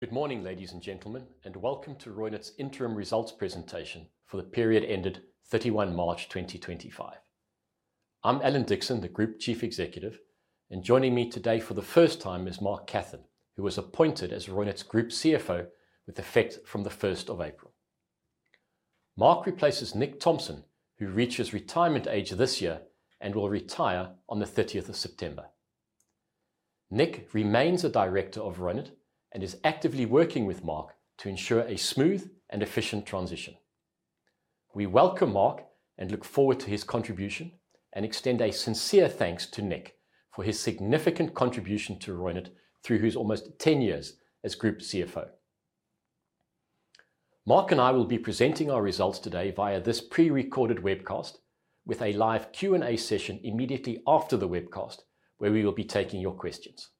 Good morning, ladies and gentlemen, and welcome to Reunert's interim results presentation for the period ended 31 March 2025. I'm Alan Dickson, the Group Chief Executive, and joining me today for the first time is Mark Catheron, who was appointed as Reunert's Group CFO with effect from 1 April. Mark replaces Nick Thomson, who reaches retirement age this year and will retire on 30 September. Nick remains a director of Reunert and is actively working with Mark to ensure a smooth and efficient transition. We welcome Mark and look forward to his contribution, and extend a sincere thanks to Nick for his significant contribution to Reunert through his almost 10 years as Group CFO. Mark and I will be presenting our results today via this pre-recorded webcast, with a live Q&A session immediately after the webcast, where we will be taking your questions.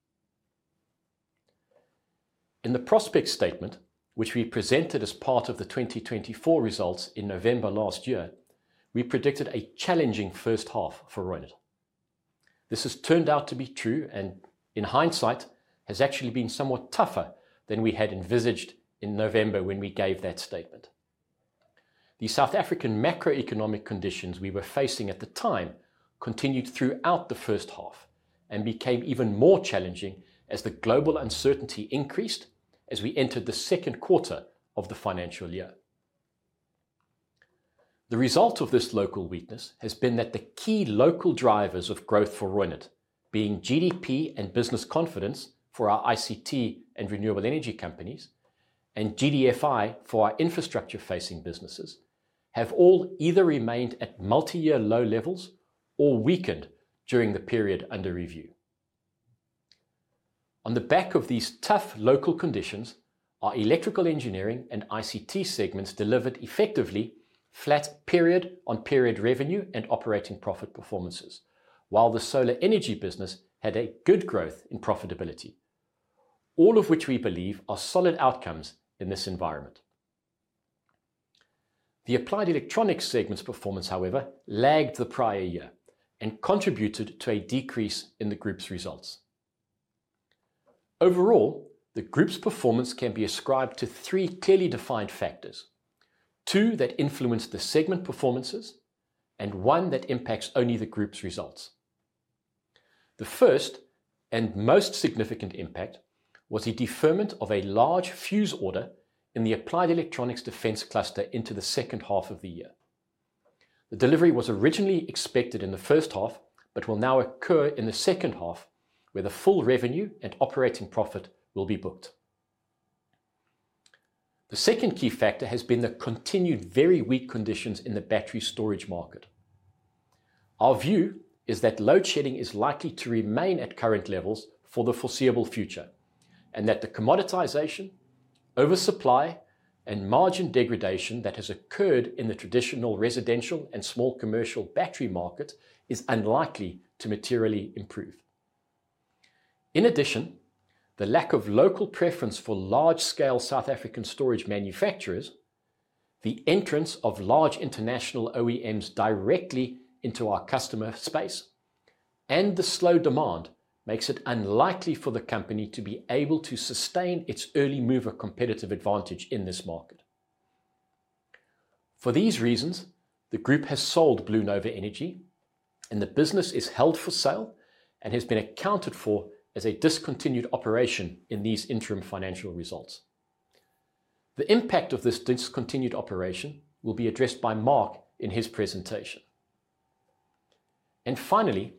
In the prospect statement, which we presented as part of the 2024 results in November last year, we predicted a challenging first half for Reunert. This has turned out to be true and, in hindsight, has actually been somewhat tougher than we had envisaged in November when we gave that statement. The South African macroeconomic conditions we were facing at the time continued throughout the first half and became even more challenging as the global uncertainty increased as we entered the second quarter of the financial year. The result of this local weakness has been that the key local drivers of growth for Reunert, being GDP and business confidence for our ICT and renewable energy companies, and GDFI for our infrastructure-facing businesses, have all either remained at multi-year low levels or weakened during the period under review. On the back of these tough local conditions, our electrical engineering and ICT segments delivered effectively flat period-on-period revenue and operating profit performances, while the solar energy business had a good growth in profitability, all of which we believe are solid outcomes in this environment. The applied electronics segment's performance, however, lagged the prior year and contributed to a decrease in the group's results. Overall, the group's performance can be ascribed to three clearly defined factors: two that influence the segment performances and one that impacts only the group's results. The first and most significant impact was the deferment of a large fuse order in the applied electronics defence cluster into the second half of the year. The delivery was originally expected in the first half but will now occur in the second half, where the full revenue and operating profit will be booked. The second key factor has been the continued very weak conditions in the battery storage market. Our view is that load shedding is likely to remain at current levels for the foreseeable future, and that the commoditisation, oversupply, and margin degradation that has occurred in the traditional residential and small commercial battery market is unlikely to materially improve. In addition, the lack of local preference for large-scale South African storage manufacturers, the entrance of large international OEMs directly into our customer space, and the slow demand makes it unlikely for the company to be able to sustain its early-mover competitive advantage in this market. For these reasons, the group has sold BlueNova Energy, and the business is held for sale and has been accounted for as a discontinued operation in these interim financial results. The impact of this discontinued operation will be addressed by Mark in his presentation. Finally,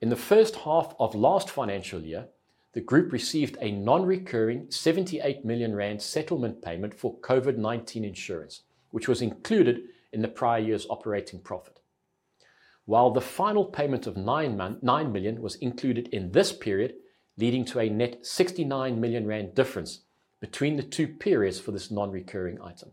in the first half of last financial year, the group received a non-recurring 78 million rand settlement payment for COVID-19 insurance, which was included in the prior year's operating profit, while the final payment of 9 million was included in this period, leading to a net 69 million rand difference between the two periods for this non-recurring item.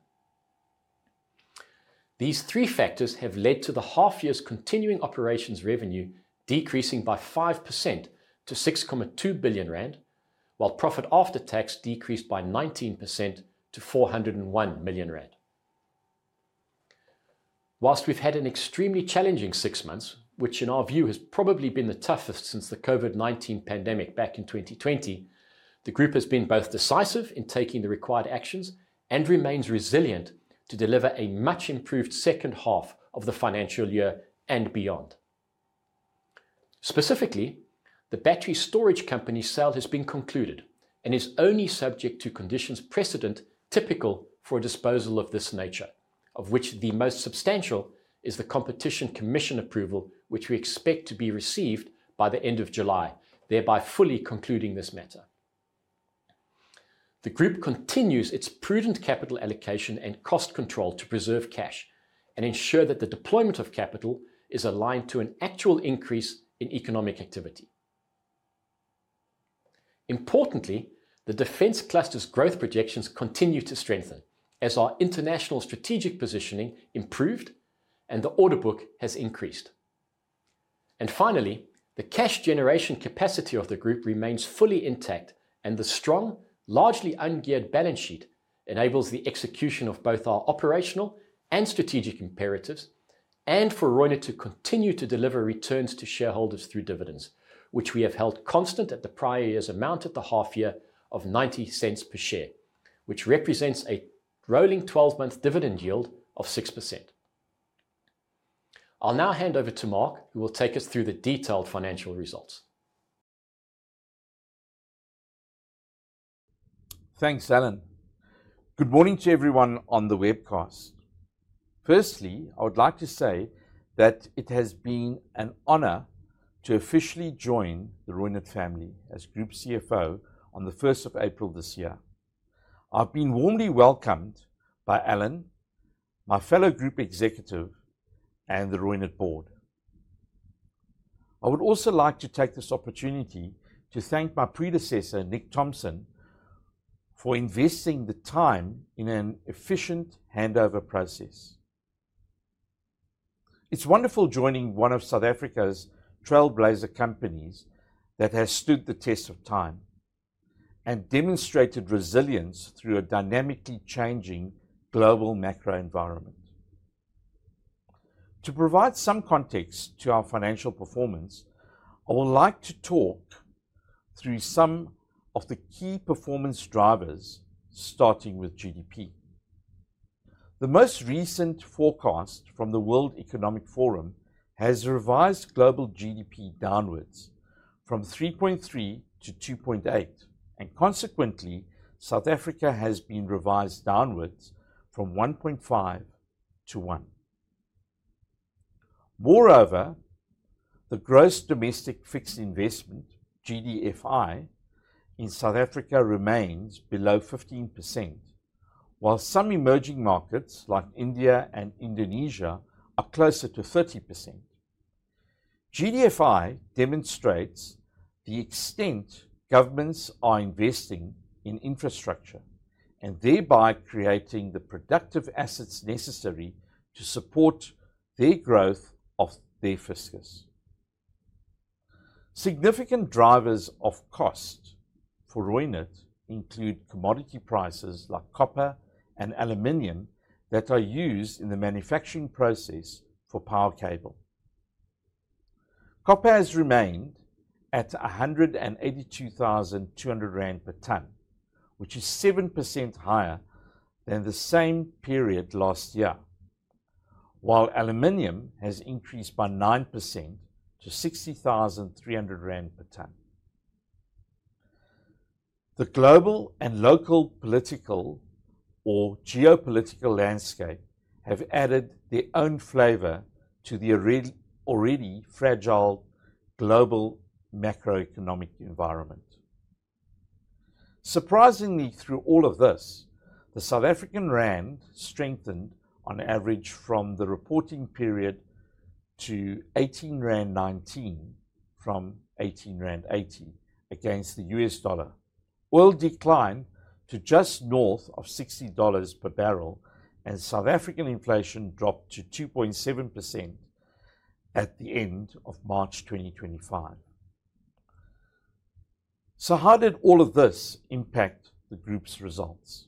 These three factors have led to the half year's continuing operations revenue decreasing by 5% to 6.2 billion rand, while profit after tax decreased by 19% to 401 million rand. Whilst we've had an extremely challenging six months, which in our view has probably been the toughest since the COVID-19 pandemic back in 2020, the group has been both decisive in taking the required actions and remains resilient to deliver a much improved second half of the financial year and beyond. Specifically, the battery storage company sale has been concluded and is only subject to conditions precedent typical for a disposal of this nature, of which the most substantial is the Competition Commission approval, which we expect to be received by the end of July, thereby fully concluding this matter. The group continues its prudent capital allocation and cost control to preserve cash and ensure that the deployment of capital is aligned to an actual increase in economic activity. Importantly, the defence cluster's growth projections continue to strengthen, as our international strategic positioning improved and the order book has increased. Finally, the cash generation capacity of the group remains fully intact, and the strong, largely ungeared balance sheet enables the execution of both our operational and strategic imperatives and for Reunert to continue to deliver returns to shareholders through dividends, which we have held constant at the prior year's amount at the half year of 90 per share, which represents a rolling 12-month dividend yield of 6%. I'll now hand over to Mark, who will take us through the detailed financial results. Thanks, Alan. Good morning to everyone on the webcast. Firstly, I would like to say that it has been an honor to officially join the Reunert family as Group CFO on 1 April this year. I've been warmly welcomed by Alan, my fellow Group Executive, and the Reunert board. I would also like to take this opportunity to thank my predecessor, Nick Thomson, for investing the time in an efficient handover process. It's wonderful joining one of South Africa's trailblazer companies that has stood the test of time and demonstrated resilience through a dynamically changing global macro environment. To provide some context to our financial performance, I would like to talk through some of the key performance drivers, starting with GDP. The most recent forecast from the World Economic Forum has revised global GDP downwards from 3.3% to 2.8%, and consequently, South Africa has been revised downwards from 1.5% to 1%. Moreover, the gross domestic fixed investment (GDFI) in South Africa remains below 15%, while some emerging markets like India and Indonesia are closer to 30%. GDFI demonstrates the extent governments are investing in infrastructure and thereby creating the productive assets necessary to support the growth of their fiscus. Significant drivers of cost for Reunert include commodity prices like copper and aluminium that are used in the manufacturing process for power cables. Copper has remained at 182,200 rand per tonne, which is 7% higher than the same period last year, while aluminium has increased by 9% to 60,300 rand per tonne. The global and local political or geopolitical landscape have added their own flavor to the already fragile global macroeconomic environment. Surprisingly, through all of this, the South African Rand strengthened on average from the reporting period to 18.19 rand from 18.80 rand against the US dollar, oil declined to just north of $60 per barrel, and South African inflation dropped to 2.7% at the end of March 2025. How did all of this impact the group's results?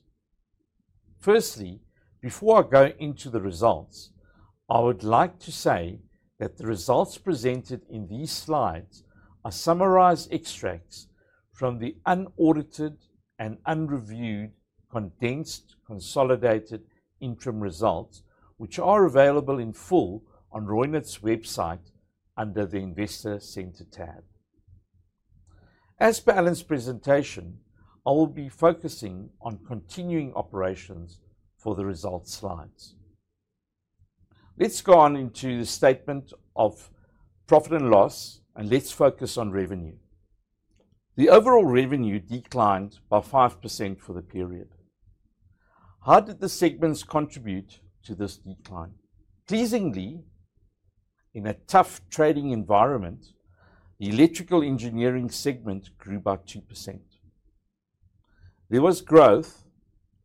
Firstly, before I go into the results, I would like to say that the results presented in these slides are summarised extracts from the unaudited and unreviewed condensed consolidated interim results, which are available in full on Reunert's website under the Investor Centre tab. As per Alan's presentation, I will be focusing on continuing operations for the results slides. Let's go on into the statement of profit and loss, and let's focus on revenue. The overall revenue declined by 5% for the period. How did the segments contribute to this decline? Pleasingly, in a tough trading environment, the electrical engineering segment grew by 2%. There was growth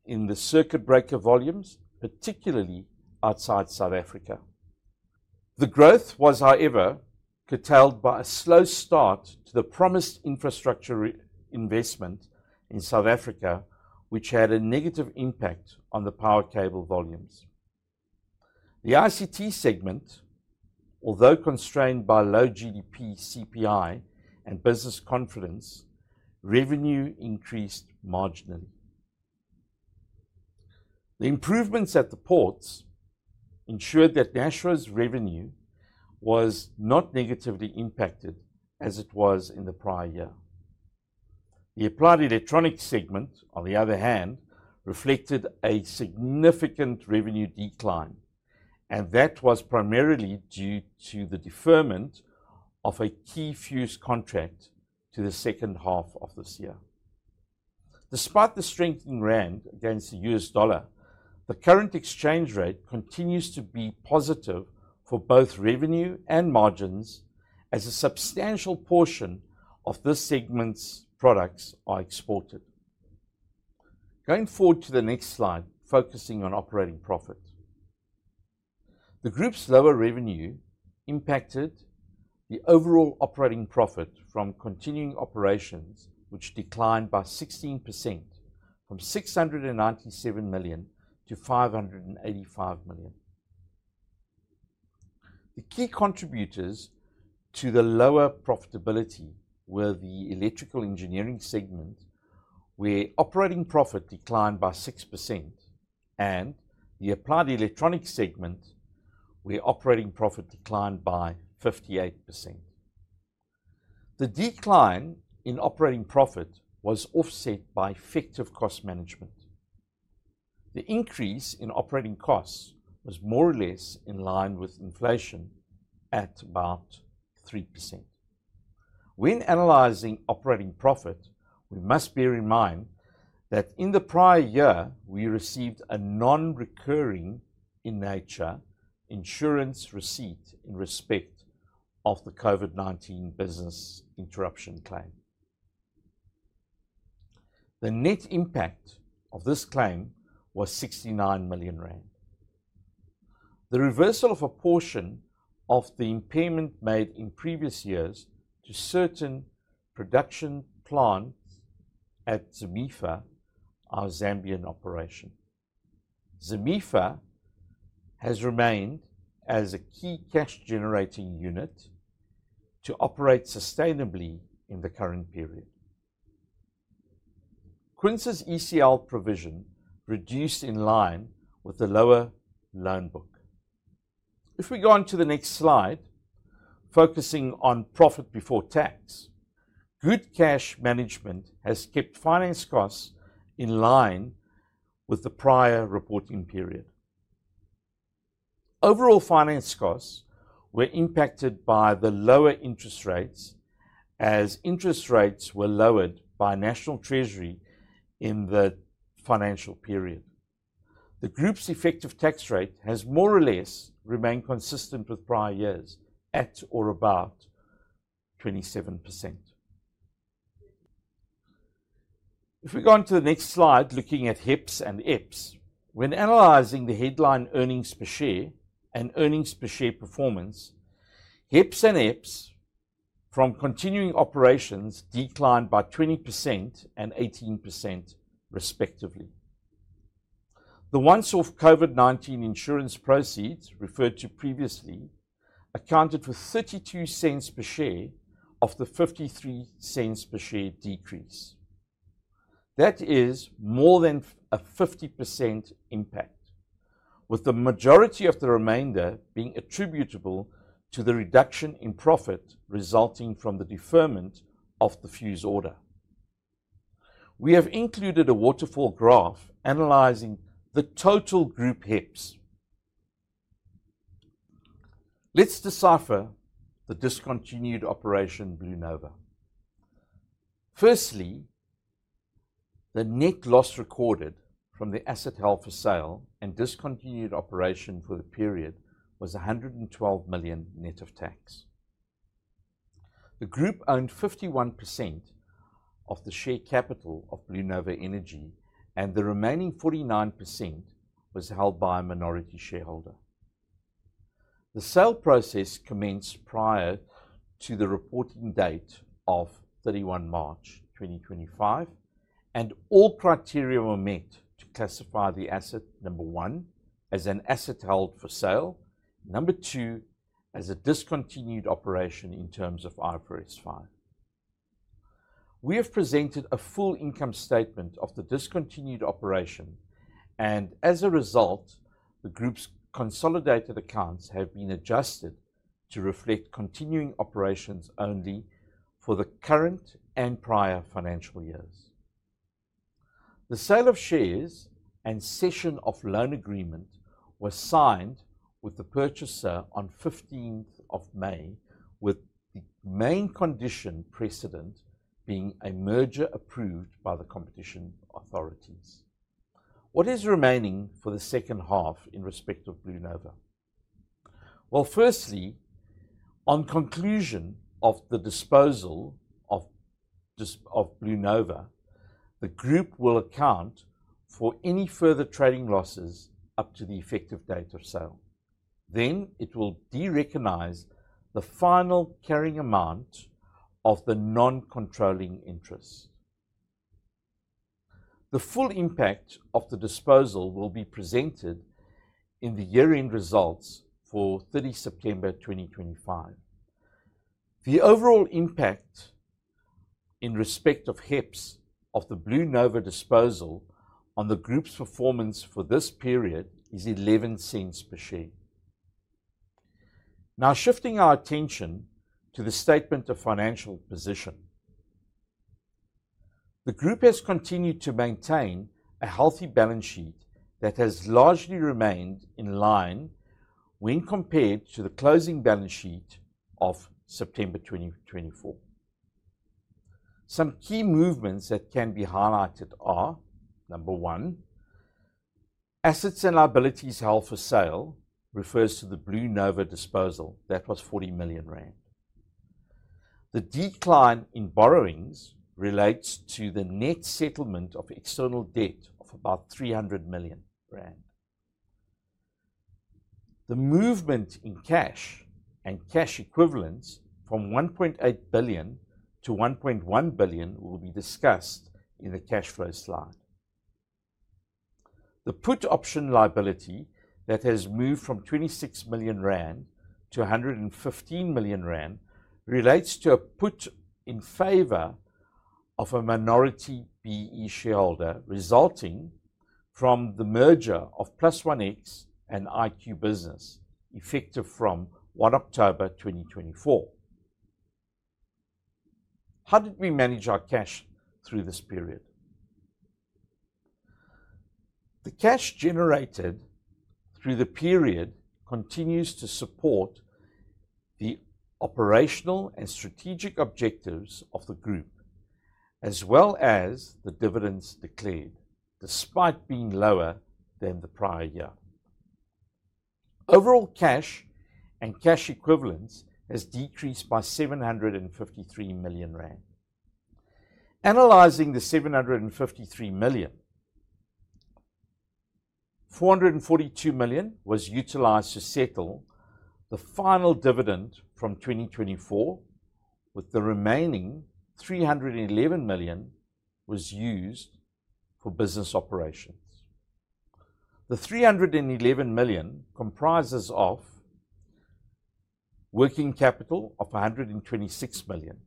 in the circuit breaker volumes, particularly outside South Africa. The growth was, however, curtailed by a slow start to the promised infrastructure investment in South Africa, which had a negative impact on the power cable volumes. The ICT segment, although constrained by low GDP, CPI, and business confidence, revenue increased marginally. The improvements at the ports ensured that Nashua's revenue was not negatively impacted as it was in the prior year. The applied electronics segment, on the other hand, reflected a significant revenue decline, and that was primarily due to the deferment of a key fuse contract to the second half of this year. Despite the strengthened Rand against the US dollar, the current exchange rate continues to be positive for both revenue and margins as a substantial portion of this segment's products are exported. Going forward to the next slide, focusing on operating profit. The group's lower revenue impacted the overall operating profit from continuing operations, which declined by 16% from 697 million to 585 million. The key contributors to the lower profitability were the electrical engineering segment, where operating profit declined by 6%, and the applied electronics segment, where operating profit declined by 58%. The decline in operating profit was offset by effective cost management. The increase in operating costs was more or less in line with inflation at about 3%. When analysing operating profit, we must bear in mind that in the prior year we received a non-recurring in nature insurance receipt in respect of the COVID-19 business interruption claim. The net impact of this claim was 69 million rand. The reversal of a portion of the impairment made in previous years to certain production plants at Zamefa, our Zambian operation. Zamefa has remained as a key cash generating unit to operate sustainably in the current period. Quince's ECL provision reduced in line with the lower loan book. If we go on to the next slide, focusing on profit before tax, good cash management has kept finance costs in line with the prior reporting period. Overall finance costs were impacted by the lower interest rates as interest rates were lowered by National Treasury in the financial period. The group's effective tax rate has more or less remained consistent with prior years at or about 27%. If we go on to the next slide, looking at HEPS and EPS, when analysing the headline earnings per share and earnings per share performance, HEPS and EPS from continuing operations declined by 20% and 18% respectively. The once off COVID-19 insurance proceeds referred to previously accounted for 32 per share of the 53 per share decrease. That is more than a 50% impact, with the majority of the remainder being attributable to the reduction in profit resulting from the deferment of the fuse order. We have included a waterfall graph analysing the total group HEPS. Let's decipher the discontinued operation BlueNova. Firstly, the net loss recorded from the asset held for sale and discontinued operation for the period was 112 million net of tax. The group owned 51% of the share capital of BlueNova Energy, and the remaining 49% was held by a minority shareholder. The sale process commenced prior to the reporting date of 31 March 2025, and all criteria were met to classify the asset, number one, as an asset held for sale, number two, as a discontinued operation in terms of IFRS 5. We have presented a full income statement of the discontinued operation, and as a result, the group's consolidated accounts have been adjusted to reflect continuing operations only for the current and prior financial years. The sale of shares and cession of loan agreement were signed with the purchaser on 15 May, with the main condition precedent being a merger approved by the competition authorities. What is remaining for the second half in respect of BlueNova? Firstly, on conclusion of the disposal of BlueNova, the group will account for any further trading losses up to the effective date of sale. It will de-recognize the final carrying amount of the non-controlling interest. The full impact of the disposal will be presented in the year-end results for 30 September 2025. The overall impact in respect of HEPS of the BlueNova disposal on the group's performance for this period is 11 per share. Now, shifting our attention to the statement of financial position, the group has continued to maintain a healthy balance sheet that has largely remained in line when compared to the closing balance sheet of September 2024. Some key movements that can be highlighted are: number one, assets and liabilities held for sale refers to the BlueNova disposal that was 40 million rand. The decline in borrowings relates to the net settlement of external debt of about 300 million rand. The movement in cash and cash equivalents from 1.8 billion to 1.1 billion will be discussed in the cash flow slide. The put option liability that has moved from 26 million rand to 115 million rand relates to a put in favour of a minority BE shareholder resulting from the merger of Plus One X and IQ Business effective from 1 October 2024. How did we manage our cash through this period? The cash generated through the period continues to support the operational and strategic objectives of the group, as well as the dividends declared, despite being lower than the prior year. Overall, cash and cash equivalents has decreased by 753 million rand. Analyzing the 753 million, 442 million was utilised to settle the final dividend from 2024, with the remaining 311 million used for business operations. The 311 million comprises working capital of 126 million.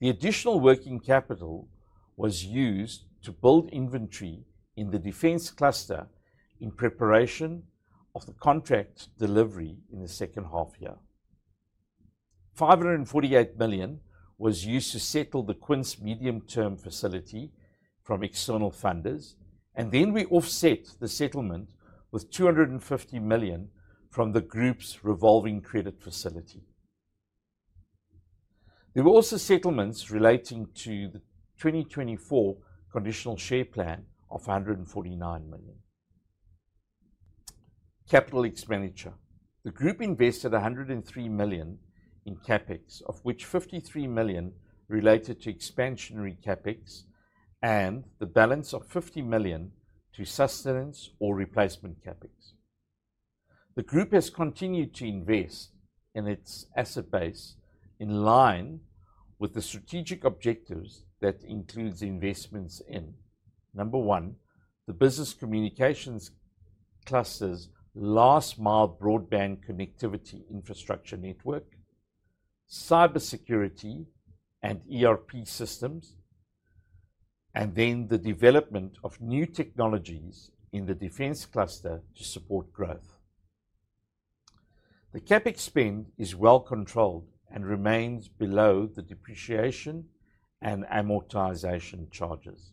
The additional working capital was used to build inventory in the defence cluster in preparation of the contract delivery in the second half year. 548 million was used to settle the Quince medium term facility from external funders, and then we offset the settlement with 250 million from the group's revolving credit facility. There were also settlements relating to the 2024 conditional share plan of 149 million. Capital expenditure: the group invested 103 million in CapEx, of which 53 million related to expansionary CapEx and the balance of 50 million to sustenance or replacement CapEx. The group has continued to invest in its asset base in line with the strategic objectives that includes investments in: number one, the business communications cluster's last mile broadband connectivity infrastructure network, cybersecurity and ERP systems, and then the development of new technologies in the defence cluster to support growth. The CapEx spend is well controlled and remains below the depreciation and amortization charges.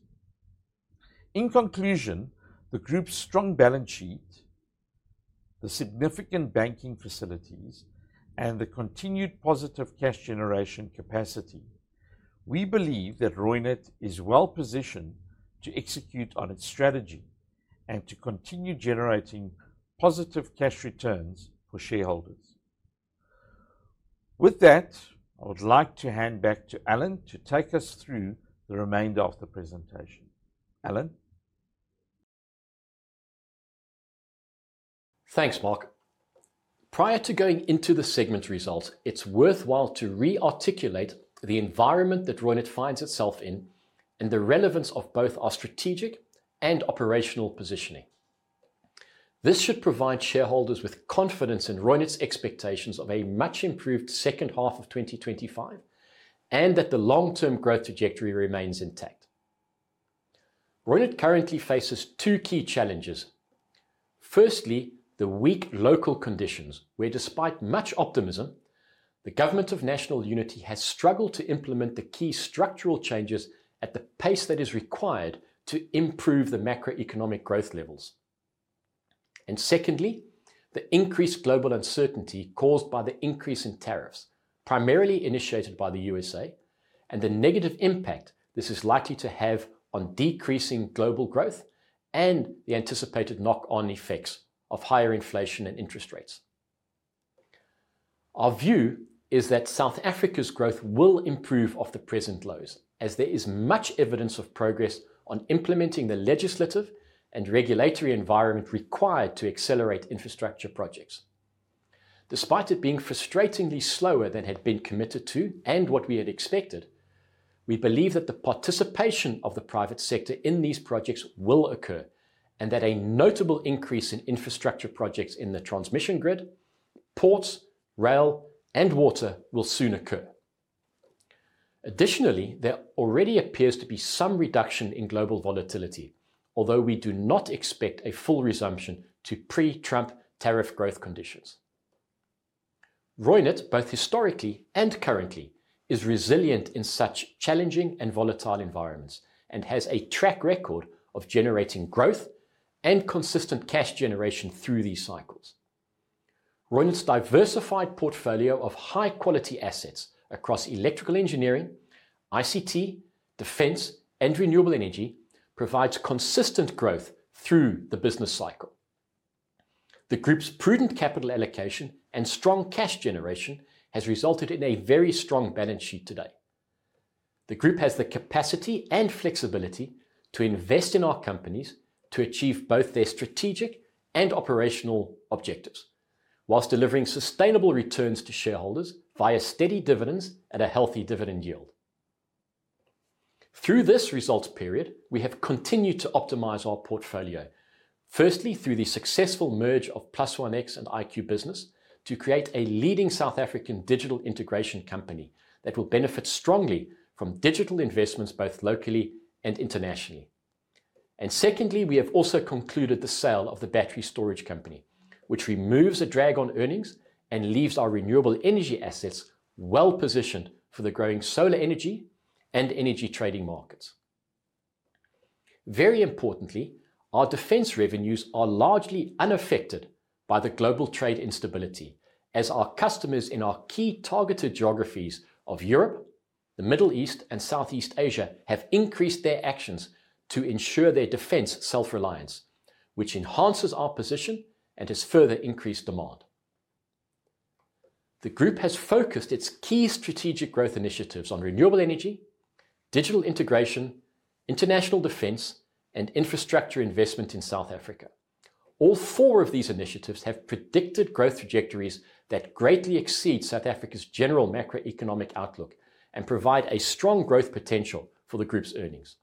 In conclusion, the group's strong balance sheet, the significant banking facilities, and the continued positive cash generation capacity, we believe that Reunert is well positioned to execute on its strategy and to continue generating positive cash returns for shareholders. With that, I would like to hand back to Alan to take us through the remainder of the presentation. Alan? Thanks, Mark. Prior to going into the segment results, it's worthwhile to re-articulate the environment that Reunert finds itself in and the relevance of both our strategic and operational positioning. This should provide shareholders with confidence in Reunert's expectations of a much improved second half of 2025 and that the long-term growth trajectory remains intact. Reunert currently faces two key challenges. Firstly, the weak local conditions where, despite much optimism, the Government of National Unity has struggled to implement the key structural changes at the pace that is required to improve the macroeconomic growth levels. Secondly, the increased global uncertainty caused by the increase in tariffs, primarily initiated by the U.S.A., and the negative impact this is likely to have on decreasing global growth and the anticipated knock-on effects of higher inflation and interest rates. Our view is that South Africa's growth will improve off the present lows, as there is much evidence of progress on implementing the legislative and regulatory environment required to accelerate infrastructure projects. Despite it being frustratingly slower than had been committed to and what we had expected, we believe that the participation of the private sector in these projects will occur and that a notable increase in infrastructure projects in the transmission grid, ports, rail, and water will soon occur. Additionally, there already appears to be some reduction in global volatility, although we do not expect a full resumption to pre-Trump tariff growth conditions. Reunert, both historically and currently, is resilient in such challenging and volatile environments and has a track record of generating growth and consistent cash generation through these cycles. Reunert's diversified portfolio of high-quality assets across electrical engineering, ICT, defence, and renewable energy provides consistent growth through the business cycle. The group's prudent capital allocation and strong cash generation has resulted in a very strong balance sheet today. The group has the capacity and flexibility to invest in our companies to achieve both their strategic and operational objectives whilst delivering sustainable returns to shareholders via steady dividends at a healthy dividend yield. Through this results period, we have continued to optimize our portfolio, firstly through the successful merge of Plus One X and IQ Business to create a leading South African digital integration company that will benefit strongly from digital investments both locally and internationally. Secondly, we have also concluded the sale of the battery storage company, which removes a drag on earnings and leaves our renewable energy assets well positioned for the growing solar energy and energy trading markets. Very importantly, our defence revenues are largely unaffected by the global trade instability, as our customers in our key targeted geographies of Europe, the Middle East, and Southeast Asia have increased their actions to ensure their defence self-reliance, which enhances our position and has further increased demand. The group has focused its key strategic growth initiatives on renewable energy, digital integration, international defence, and infrastructure investment in South Africa. All four of these initiatives have predicted growth trajectories that greatly exceed South Africa's general macroeconomic outlook and provide a strong growth potential for the group's earnings.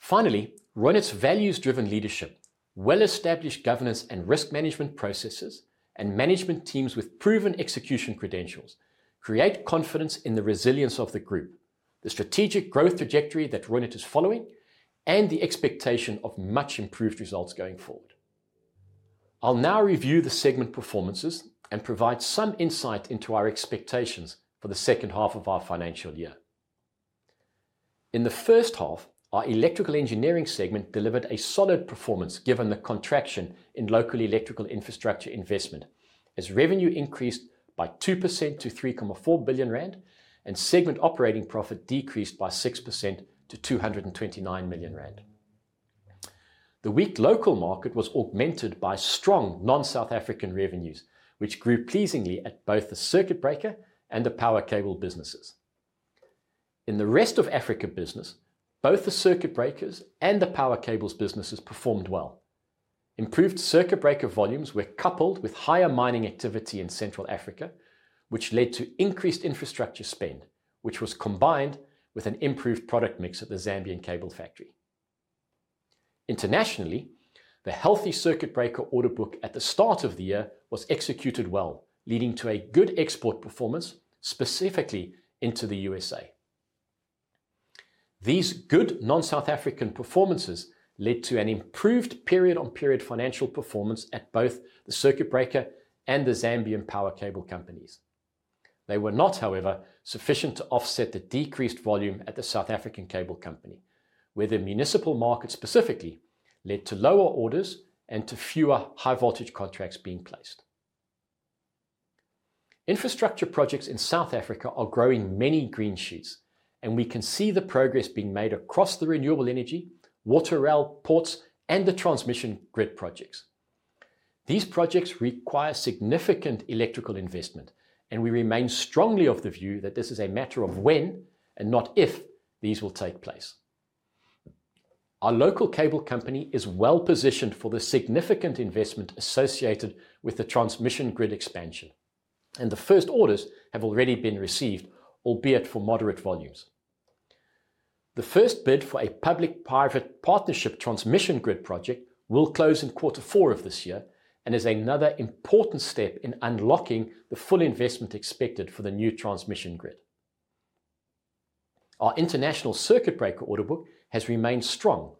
Finally, Reunert's values-driven leadership, well-established governance and risk management processes, and management teams with proven execution credentials create confidence in the resilience of the group, the strategic growth trajectory that Reunert is following, and the expectation of much improved results going forward. I'll now review the segment performances and provide some insight into our expectations for the second half of our financial year. In the first half, our electrical engineering segment delivered a solid performance given the contraction in local electrical infrastructure investment, as revenue increased by 2% to 3.4 billion rand and segment operating profit decreased by 6% to 229 million rand. The weak local market was augmented by strong non-South African revenues, which grew pleasingly at both the circuit breaker and the power cable businesses. In the rest of Africa business, both the circuit breakers and the power cables businesses performed well. Improved circuit breaker volumes were coupled with higher mining activity in Central Africa, which led to increased infrastructure spend, which was combined with an improved product mix at the Zambian cable factory. Internationally, the healthy circuit breaker order book at the start of the year was executed well, leading to a good export performance specifically into the US. These good non-South African performances led to an improved period-on-period financial performance at both the circuit breaker and the Zambian power cable companies. They were not, however, sufficient to offset the decreased volume at the South African cable company, where the municipal market specifically led to lower orders and to fewer high-voltage contracts being placed. Infrastructure projects in South Africa are growing many green shoots, and we can see the progress being made across the renewable energy, water, rail, ports, and the transmission grid projects. These projects require significant electrical investment, and we remain strongly of the view that this is a matter of when and not if these will take place. Our local cable company is well positioned for the significant investment associated with the transmission grid expansion, and the first orders have already been received, albeit for moderate volumes. The first bid for a public-private partnership transmission grid project will close in quarter four of this year and is another important step in unlocking the full investment expected for the new transmission grid. Our international circuit breaker order book has remained strong,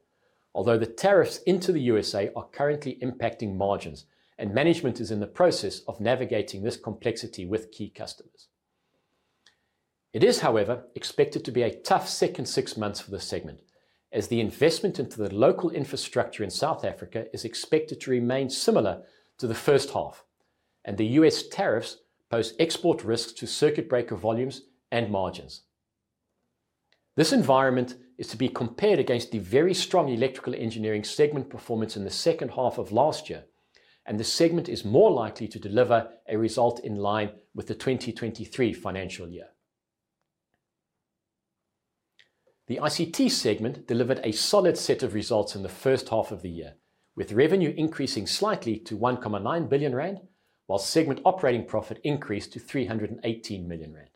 although the tariffs into the U.S. are currently impacting margins, and management is in the process of navigating this complexity with key customers. It is, however, expected to be a tough second six months for the segment, as the investment into the local infrastructure in South Africa is expected to remain similar to the first half, and the U.S. tariffs pose export risks to circuit breaker volumes and margins. This environment is to be compared against the very strong electrical engineering segment performance in the second half of last year, and the segment is more likely to deliver a result in line with the 2023 financial year. The ICT segment delivered a solid set of results in the first half of the year, with revenue increasing slightly to 1.9 billion rand, while segment operating profit increased to 318 million rand.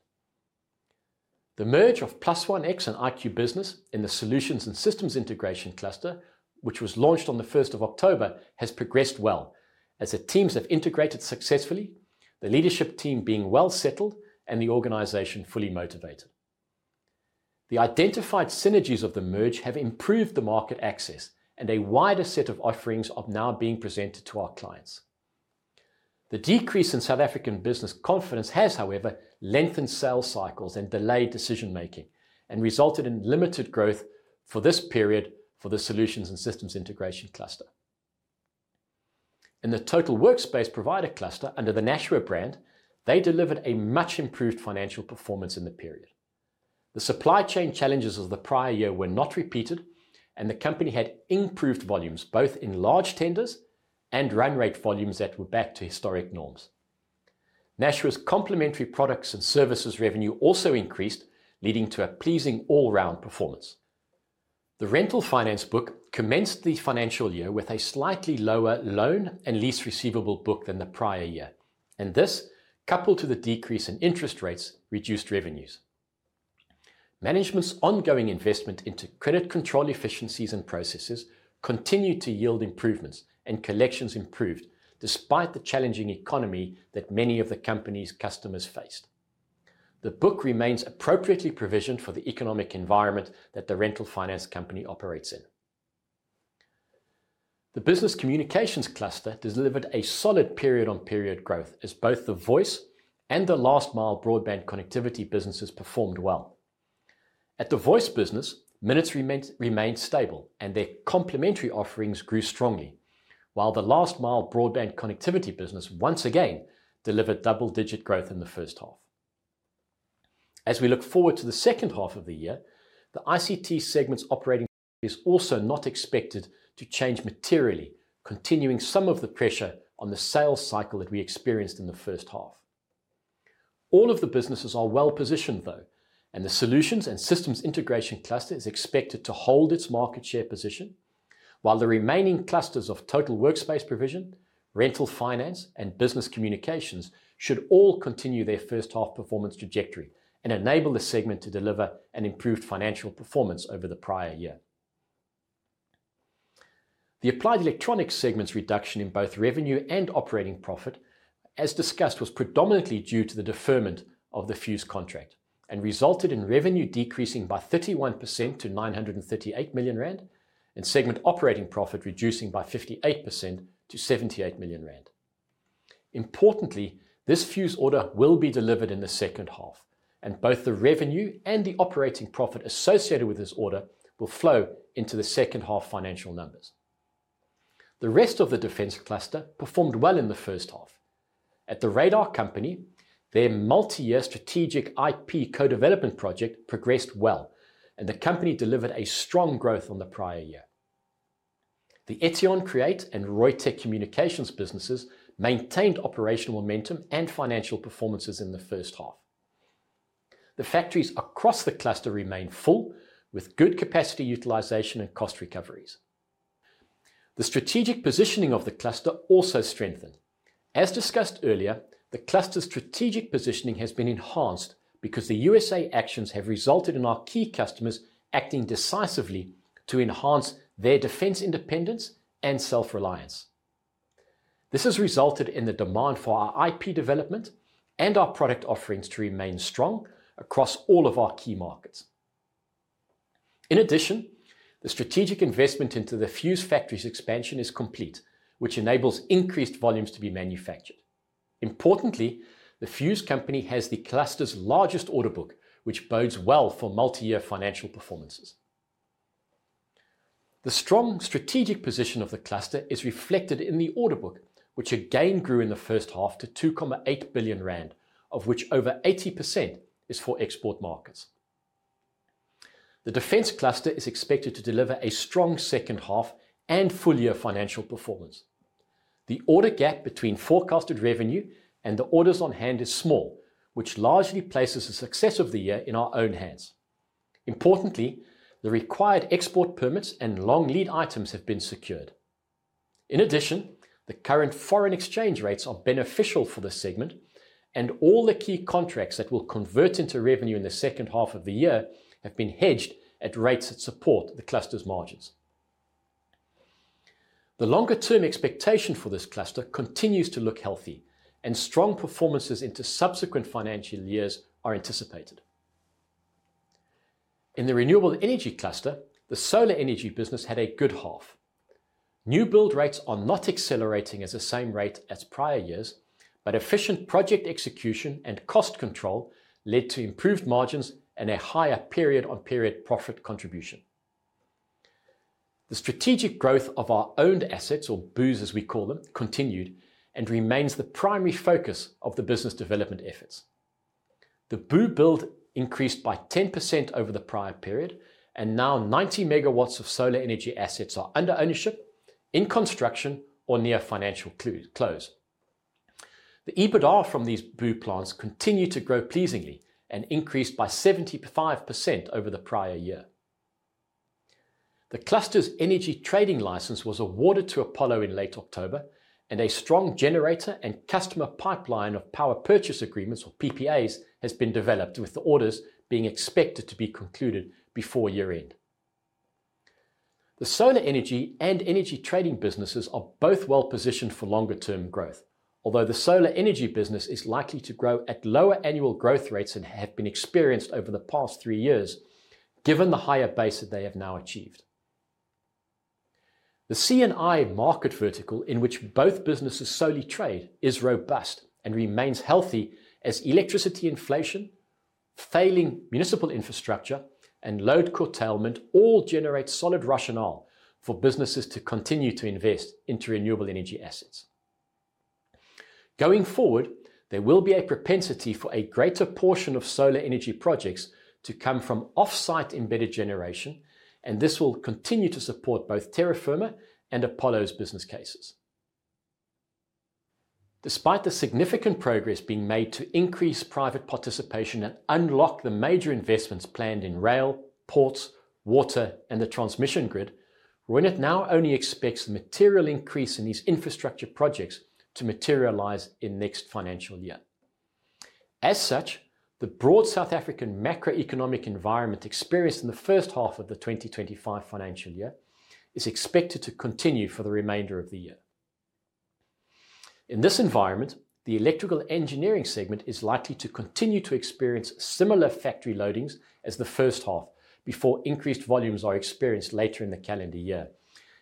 The merge of Plus One X and IQ Business in the solutions and systems integration cluster, which was launched on 1 October, has progressed well, as the teams have integrated successfully, the leadership team being well settled, and the organization fully motivated. The identified synergies of the merge have improved the market access, and a wider set of offerings are now being presented to our clients. The decrease in South African business confidence has, however, lengthened sales cycles and delayed decision-making, and resulted in limited growth for this period for the solutions and systems integration cluster. In the total workspace provider cluster under the Nashua brand, they delivered a much improved financial performance in the period. The supply chain challenges of the prior year were not repeated, and the company had improved volumes both in large tenders and run rate volumes that were back to historic norms. Nashua's complementary products and services revenue also increased, leading to a pleasing all-round performance. The rental finance book commenced the financial year with a slightly lower loan and lease receivable book than the prior year, and this, coupled to the decrease in interest rates, reduced revenues. Management's ongoing investment into credit control efficiencies and processes continued to yield improvements, and collections improved despite the challenging economy that many of the company's customers faced. The book remains appropriately provisioned for the economic environment that the rental finance company operates in. The business communications cluster delivered a solid period-on-period growth, as both the voice and the last mile broadband connectivity businesses performed well. At the voice business, minutes remained stable, and their complementary offerings grew strongly, while the last mile broadband connectivity business once again delivered double-digit growth in the first half. As we look forward to the second half of the year, the ICT segment's operating is also not expected to change materially, continuing some of the pressure on the sales cycle that we experienced in the first half. All of the businesses are well positioned, though, and the solutions and systems integration cluster is expected to hold its market share position, while the remaining clusters of total workspace provision, rental finance, and business communications should all continue their first half performance trajectory and enable the segment to deliver an improved financial performance over the prior year. The applied electronics segment's reduction in both revenue and operating profit, as discussed, was predominantly due to the deferment of the fuse contract and resulted in revenue decreasing by 31% to 938 million rand and segment operating profit reducing by 58% to 78 million rand. Importantly, this fuse order will be delivered in the second half, and both the revenue and the operating profit associated with this order will flow into the second half financial numbers. The rest of the defence cluster performed well in the first half. At the radar company, their multi-year strategic IP co-development project progressed well, and the company delivered a strong growth on the prior year. The Etion Create and Roy Tech Communications businesses maintained operational momentum and financial performances in the first half. The factories across the cluster remain full, with good capacity utilisation and cost recoveries. The strategic positioning of the cluster also strengthened. As discussed earlier, the cluster's strategic positioning has been enhanced because the U.S.A. actions have resulted in our key customers acting decisively to enhance their defence independence and self-reliance. This has resulted in the demand for our IP development and our product offerings to remain strong across all of our key markets. In addition, the strategic investment into the fuse factories expansion is complete, which enables increased volumes to be manufactured. Importantly, the fuse company has the cluster's largest order book, which bodes well for multi-year financial performances. The strong strategic position of the cluster is reflected in the order book, which again grew in the first half to 2.8 billion rand, of which over 80% is for export markets. The defence cluster is expected to deliver a strong second half and full year financial performance. The order gap between forecasted revenue and the orders on hand is small, which largely places the success of the year in our own hands. Importantly, the required export permits and long lead items have been secured. In addition, the current foreign exchange rates are beneficial for the segment, and all the key contracts that will convert into revenue in the second half of the year have been hedged at rates that support the cluster's margins. The longer-term expectation for this cluster continues to look healthy, and strong performances into subsequent financial years are anticipated. In the renewable energy cluster, the solar energy business had a good half. New build rates are not accelerating at the same rate as prior years, but efficient project execution and cost control led to improved margins and a higher period-on-period profit contribution. The strategic growth of our owned assets, or BOOs as we call them, continued and remains the primary focus of the business development efforts. The BOO build increased by 10% over the prior period, and now 90 megawatts of solar energy assets are under ownership, in construction, or near financial close. The EBITDA from these BOO plants continued to grow pleasingly and increased by 75% over the prior year. The cluster's energy trading license was awarded to Apollo in late October, and a strong generator and customer pipeline of power purchase agreements, or PPAs, has been developed, with the orders being expected to be concluded before year-end. The solar energy and energy trading businesses are both well positioned for longer-term growth, although the solar energy business is likely to grow at lower annual growth rates than have been experienced over the past three years, given the higher base that they have now achieved. The C&I market vertical in which both businesses solely trade is robust and remains healthy, as electricity inflation, failing municipal infrastructure, and load curtailment all generate solid rationale for businesses to continue to invest into renewable energy assets. Going forward, there will be a propensity for a greater portion of solar energy projects to come from off-site embedded generation, and this will continue to support both Terra Firma and Apollo's business cases. Despite the significant progress being made to increase private participation and unlock the major investments planned in rail, ports, water, and the transmission grid, Reunert now only expects the material increase in these infrastructure projects to materialize in next financial year. As such, the broad South African macroeconomic environment experienced in the first half of the 2025 financial year is expected to continue for the remainder of the year. In this environment, the electrical engineering segment is likely to continue to experience similar factory loadings as the first half before increased volumes are experienced later in the calendar year,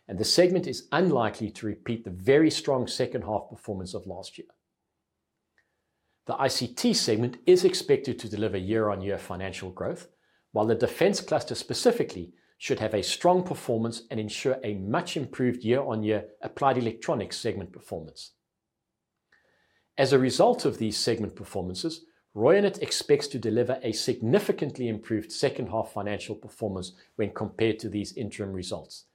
and the segment is unlikely to repeat the very strong second half performance of last year. The ICT segment is expected to deliver year-on-year financial growth, while the defence cluster specifically should have a strong performance and ensure a much improved year-on-year applied electronics segment performance. As a result of these segment performances, Reunert expects to deliver a significantly improved second half financial performance when compared to these interim results,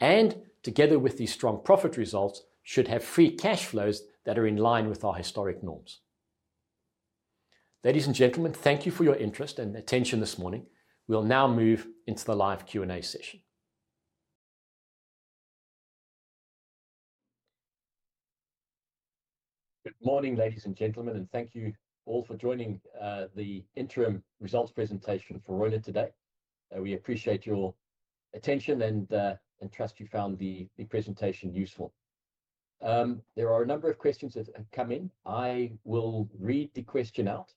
and together with these strong profit results, should have free cash flows that are in line with our historic norms. Ladies and gentlemen, thank you for your interest and attention this morning. We'll now move into the live Q&A session. Good morning, ladies and gentlemen, and thank you all for joining the interim results presentation for Reunert today. We appreciate your attention and trust you found the presentation useful. There are a number of questions that have come in. I will read the question out,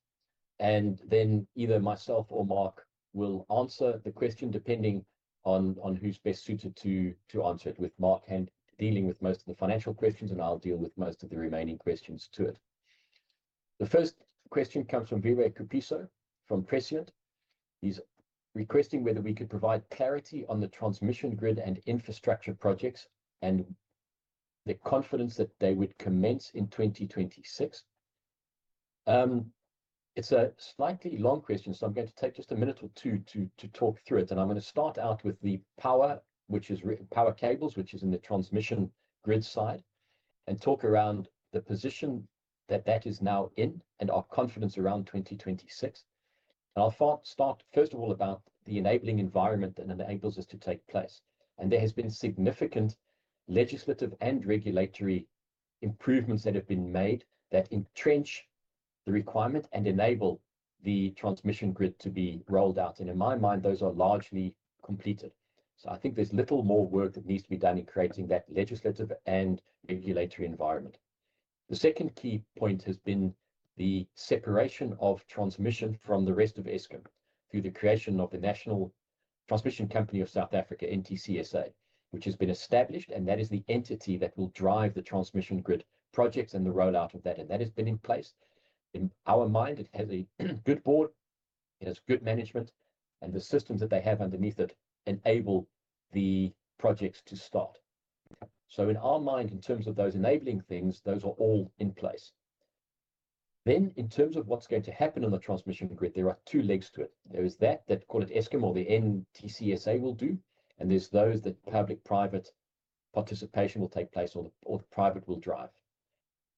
and then either myself or Mark will answer the question depending on who's best suited to answer it, with Mark dealing with most of the financial questions, and I'll deal with most of the remaining questions to it. The first question comes from Vire Krapiso from Prescient. He's requesting whether we could provide clarity on the transmission grid and infrastructure projects and the confidence that they would commence in 2026. It's a slightly long question, so I'm going to take just a minute or two to talk through it, and I'm going to start out with the power, which is power cables, which is in the transmission grid side, and talk around the position that that is now in and our confidence around 2026. I'll start, first of all, about the enabling environment that enables us to take place. There has been significant legislative and regulatory improvements that have been made that entrench the requirement and enable the transmission grid to be rolled out. In my mind, those are largely completed. I think there is little more work that needs to be done in creating that legislative and regulatory environment. The second key point has been the separation of transmission from the rest of Eskom through the creation of the National Transmission Company of South Africa, NTCSA, which has been established, and that is the entity that will drive the transmission grid projects and the rollout of that, and that has been in place. In our mind, it has a good board, it has good management, and the systems that they have underneath it enable the projects to start. In our mind, in terms of those enabling things, those are all in place. In terms of what is going to happen on the transmission grid, there are two legs to it. There is that that, call it Eskom or the NTCSA, will do, and there are those that public-private participation will take place, or the private will drive.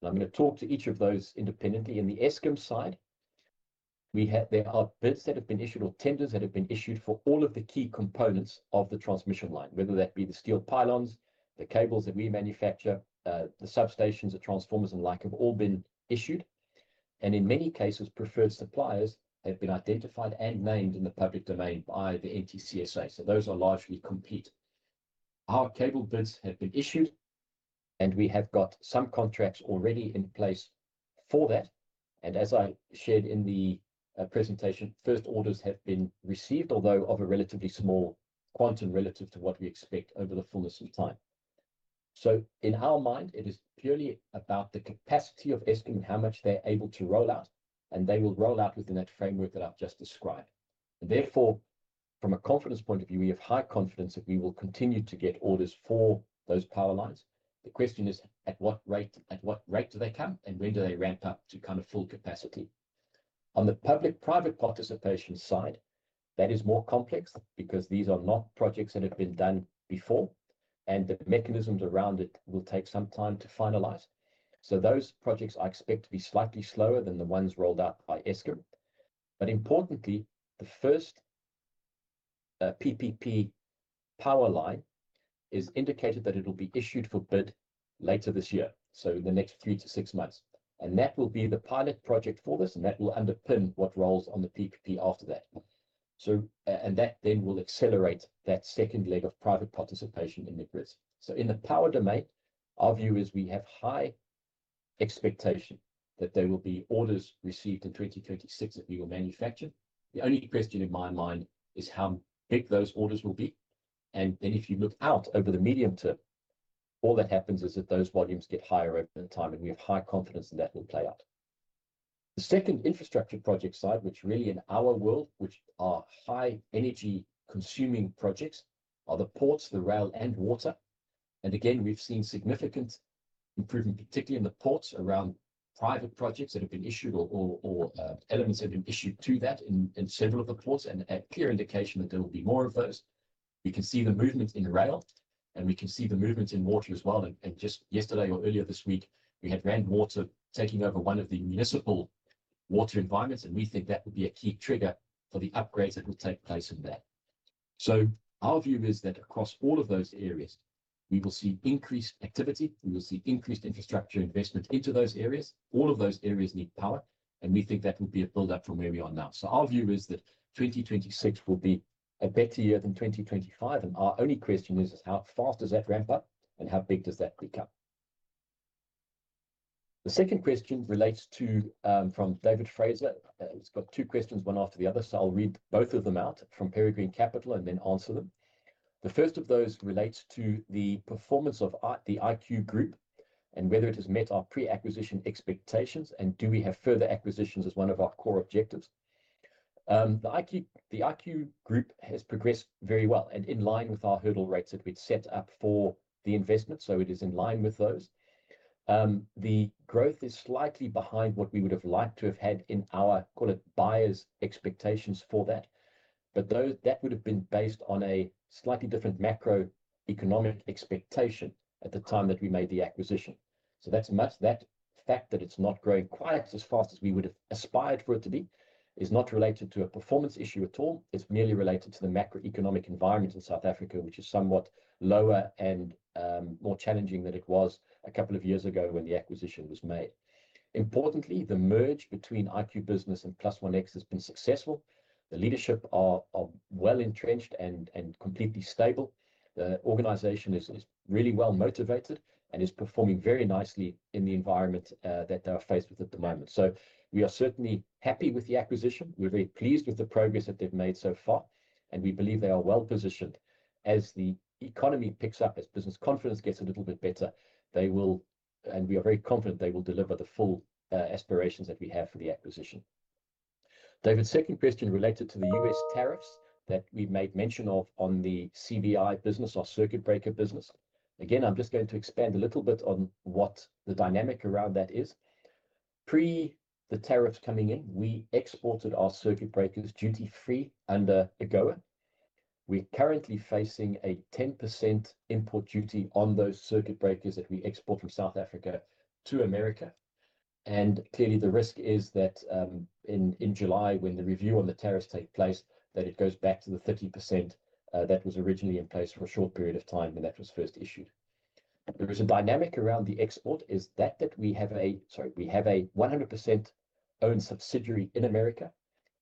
I am going to talk to each of those independently. On the Eskom side, there are bids that have been issued or tenders that have been issued for all of the key components of the transmission line, whether that be the steel pylons, the cables that we manufacture, the substations, the transformers, and the like, have all been issued. In many cases, preferred suppliers have been identified and named in the public domain by the NTCSA. Those are largely complete. Our cable bids have been issued, and we have got some contracts already in place for that. As I shared in the presentation, first orders have been received, although of a relatively small quantum relative to what we expect over the fullness of time. In our mind, it is purely about the capacity of Eskom and how much they're able to rollout, and they will rollout within that framework that I have just described. Therefore, from a confidence point of view, we have high confidence that we will continue to get orders for those power lines. The question is, at what rate do they come, and when do they ramp up to kind of full capacity? On the public-private participation side, that is more complex because these are not projects that have been done before, and the mechanisms around it will take some time to finalize. Those projects I expect to be slightly slower than the ones rolled out by Eskom. Importantly, the first PPP power line is indicated that it will be issued for bid later this year, in the next three to six months. That will be the pilot project for this, and that will underpin what rolls on the PPP after that. That then will accelerate that second leg of private participation in the grids. In the power domain, our view is we have high expectation that there will be orders received in 2026 that we will manufacture. The only question in my mind is how big those orders will be. If you look out over the medium term, all that happens is that those volumes get higher over the time, and we have high confidence that that will play out. The second infrastructure project side, which really in our world, which are high energy consuming projects, are the ports, the rail, and water. We have seen significant improvement, particularly in the ports around private projects that have been issued or elements that have been issued to that in several of the ports, and a clear indication that there will be more of those. We can see the movement in rail, and we can see the movement in water as well. Just yesterday or earlier this week, we had Reunert taking over one of the municipal water environments, and we think that would be a key trigger for the upgrades that will take place in that. Our view is that across all of those areas, we will see increased activity. We will see increased infrastructure investment into those areas. All of those areas need power, and we think that will be a build-up from where we are now. Our view is that 2026 will be a better year than 2025, and our only question is, how fast does that ramp up, and how big does that become? The second question relates to from David Fraser. It's got two questions one after the other, so I'll read both of them out from Peregrine Capital and then answer them. The first of those relates to the performance of the IQ Group and whether it has met our pre-acquisition expectations, and do we have further acquisitions as one of our core objectives? The IQ Group has progressed very well and in line with our hurdle rates that we'd set up for the investment, so it is in line with those. The growth is slightly behind what we would have liked to have had in our buyers' expectations for that, but that would have been based on a slightly different macroeconomic expectation at the time that we made the acquisition. That fact that it's not growing quite as fast as we would have aspired for it to be is not related to a performance issue at all. It's merely related to the macroeconomic environment in South Africa, which is somewhat lower and more challenging than it was a couple of years ago when the acquisition was made. Importantly, the merge between IQ Business and Plus One X has been successful. The leadership are well entrenched and completely stable. The organization is really well motivated and is performing very nicely in the environment that they are faced with at the moment. We are certainly happy with the acquisition. We're very pleased with the progress that they've made so far, and we believe they are well positioned. As the economy picks up, as business confidence gets a little bit better, they will, and we are very confident they will deliver the full aspirations that we have for the acquisition. David's second question related to the U.S. tariffs that we made mention of on the CVI business, our circuit breaker business. Again, I'm just going to expand a little bit on what the dynamic around that is. Pre the tariffs coming in, we exported our circuit breakers duty-free under AGOA. We're currently facing a 10% import duty on those circuit breakers that we export from South Africa to America. Clearly, the risk is that in July, when the review on the tariffs takes place, that it goes back to the 30% that was originally in place for a short period of time when that was first issued. There is a dynamic around the export. We have a 100% owned subsidiary in America.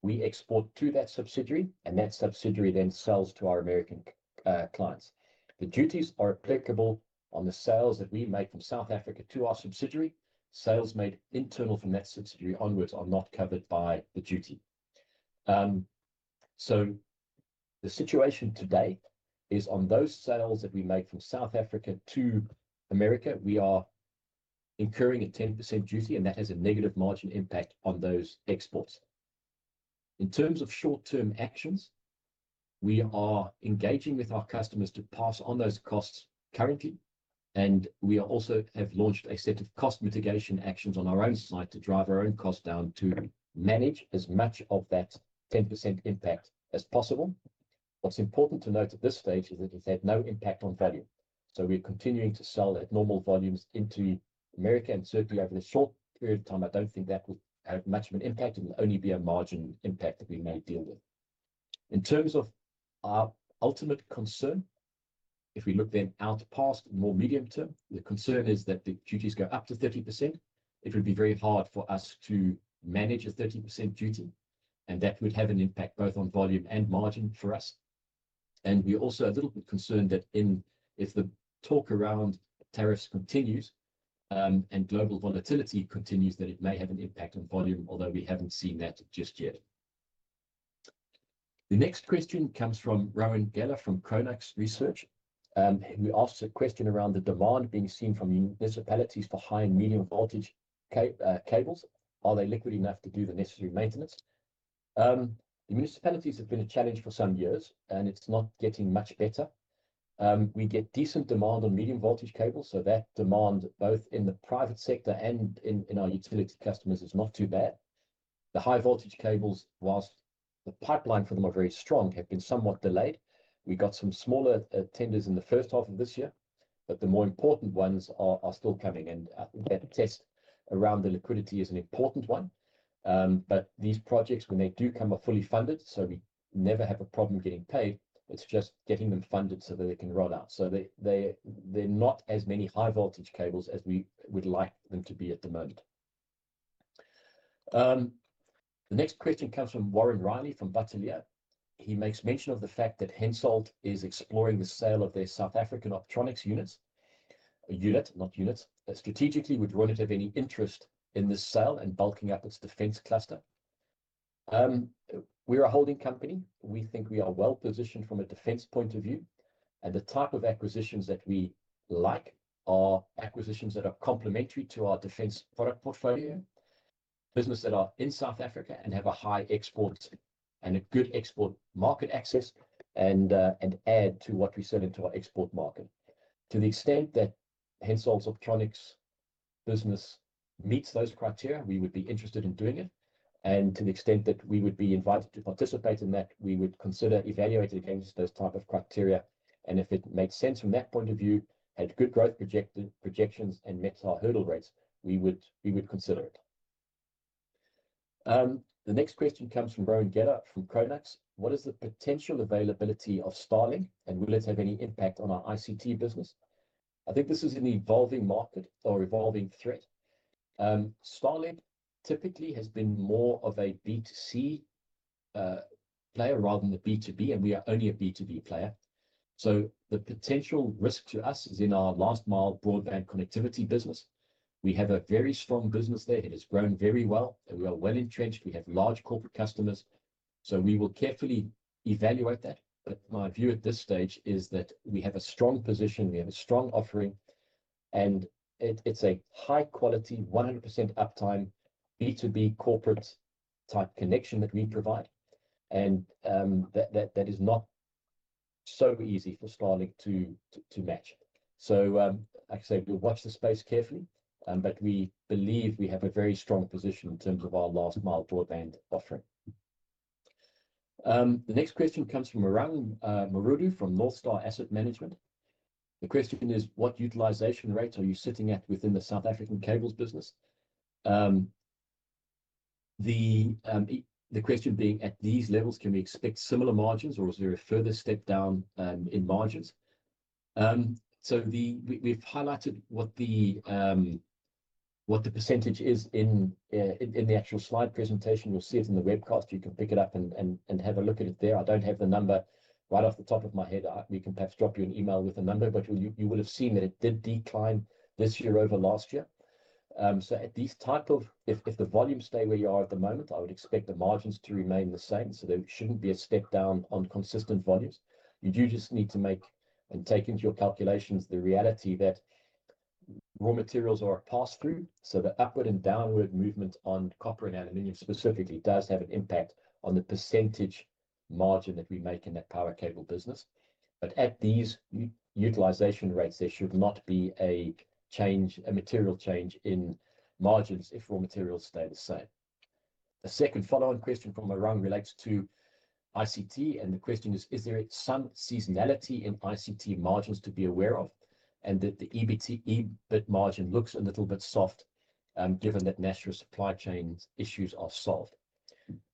We export to that subsidiary, and that subsidiary then sells to our American clients. The duties are applicable on the sales that we make from South Africa to our subsidiary. Sales made internal from that subsidiary onwards are not covered by the duty. The situation today is on those sales that we make from South Africa to America, we are incurring a 10% duty, and that has a negative margin impact on those exports. In terms of short-term actions, we are engaging with our customers to pass on those costs currently, and we also have launched a set of cost mitigation actions on our own side to drive our own costs down to manage as much of that 10% impact as possible. What's important to note at this stage is that it had no impact on value. We are continuing to sell at normal volumes into America, and certainly over the short period of time, I do not think that will have much of an impact. It will only be a margin impact that we may deal with. In terms of our ultimate concern, if we look then out past more medium term, the concern is that the duties go up to 30%. It would be very hard for us to manage a 30% duty, and that would have an impact both on volume and margin for us. We are also a little bit concerned that if the talk around tariffs continues and global volatility continues, it may have an impact on volume, although we have not seen that just yet. The next question comes from Rowan Geller from Kronax Research. He asks a question around the demand being seen from municipalities for high and medium voltage cables. Are they liquid enough to do the necessary maintenance? The municipalities have been a challenge for some years, and it is not getting much better. We get decent demand on medium voltage cables, so that demand both in the private sector and in our utility customers is not too bad. The high voltage cables, whilst the pipeline for them is very strong, have been somewhat delayed. We got some smaller tenders in the first half of this year, but the more important ones are still coming, and that test around the liquidity is an important one. These projects, when they do come, are fully funded, so we never have a problem getting paid. It's just getting them funded so that they can roll out. There are not as many high voltage cables as we would like them to be at the moment. The next question comes from Warren Riley from Batilea. He makes mention of the fact that Hensoldt is exploring the sale of their South African optronics units. Not units, but strategically would Reunert really have any interest in this sale and bulking up its defense cluster. We're a holding company. We think we are well positioned from a defense point of view, and the type of acquisitions that we like are acquisitions that are complementary to our defense product portfolio. Businesses that are in South Africa and have a high export and a good export market access and add to what we sell into our export market. To the extent that Hensoldt's optronics business meets those criteria, we would be interested in doing it. To the extent that we would be invited to participate in that, we would consider evaluating against those types of criteria. If it makes sense from that point of view, had good growth projections and met our hurdle rates, we would consider it. The next question comes from Rowan Geller from Kronax. What is the potential availability of Starlink, and will it have any impact on our ICT business? I think this is an evolving market or evolving threat. Starlink typically has been more of a B2C player rather than a B2B, and we are only a B2B player. The potential risk to us is in our last mile broadband connectivity business. We have a very strong business there. It has grown very well, and we are well entrenched. We have large corporate customers, so we will carefully evaluate that. My view at this stage is that we have a strong position, we have a strong offering, and it is a high-quality, 100% uptime B2B corporate type connection that we provide, and that is not so easy for Starlink to match. Like I say, we will watch the space carefully, but we believe we have a very strong position in terms of our last mile broadband offering. The next question comes from Morang Marudu from Northstar Asset Management. The question is, what utilisation rates are you sitting at within the South African cables business? The question being, at these levels, can we expect similar margins, or is there a further step down in margins? We have highlighted what the percentage is in the actual slide presentation. You will see it in the webcast. You can pick it up and have a look at it there. I do not have the number right off the top of my head. We can perhaps drop you an email with the number, but you will have seen that it did decline this year over last year. At these types of, if the volumes stay where you are at the moment, I would expect the margins to remain the same. There should not be a step down on consistent volumes. You do just need to make and take into your calculations the reality that raw materials are a pass-through. The upward and downward movement on copper and aluminium specifically does have an impact on the % margin that we make in that power cable business. At these utilisation rates, there should not be a material change in margins if raw materials stay the same. A second follow-on question from Morang relates to ICT, and the question is, is there some seasonality in ICT margins to be aware of, and that the EBIT margin looks a little bit soft given that natural supply chain issues are solved?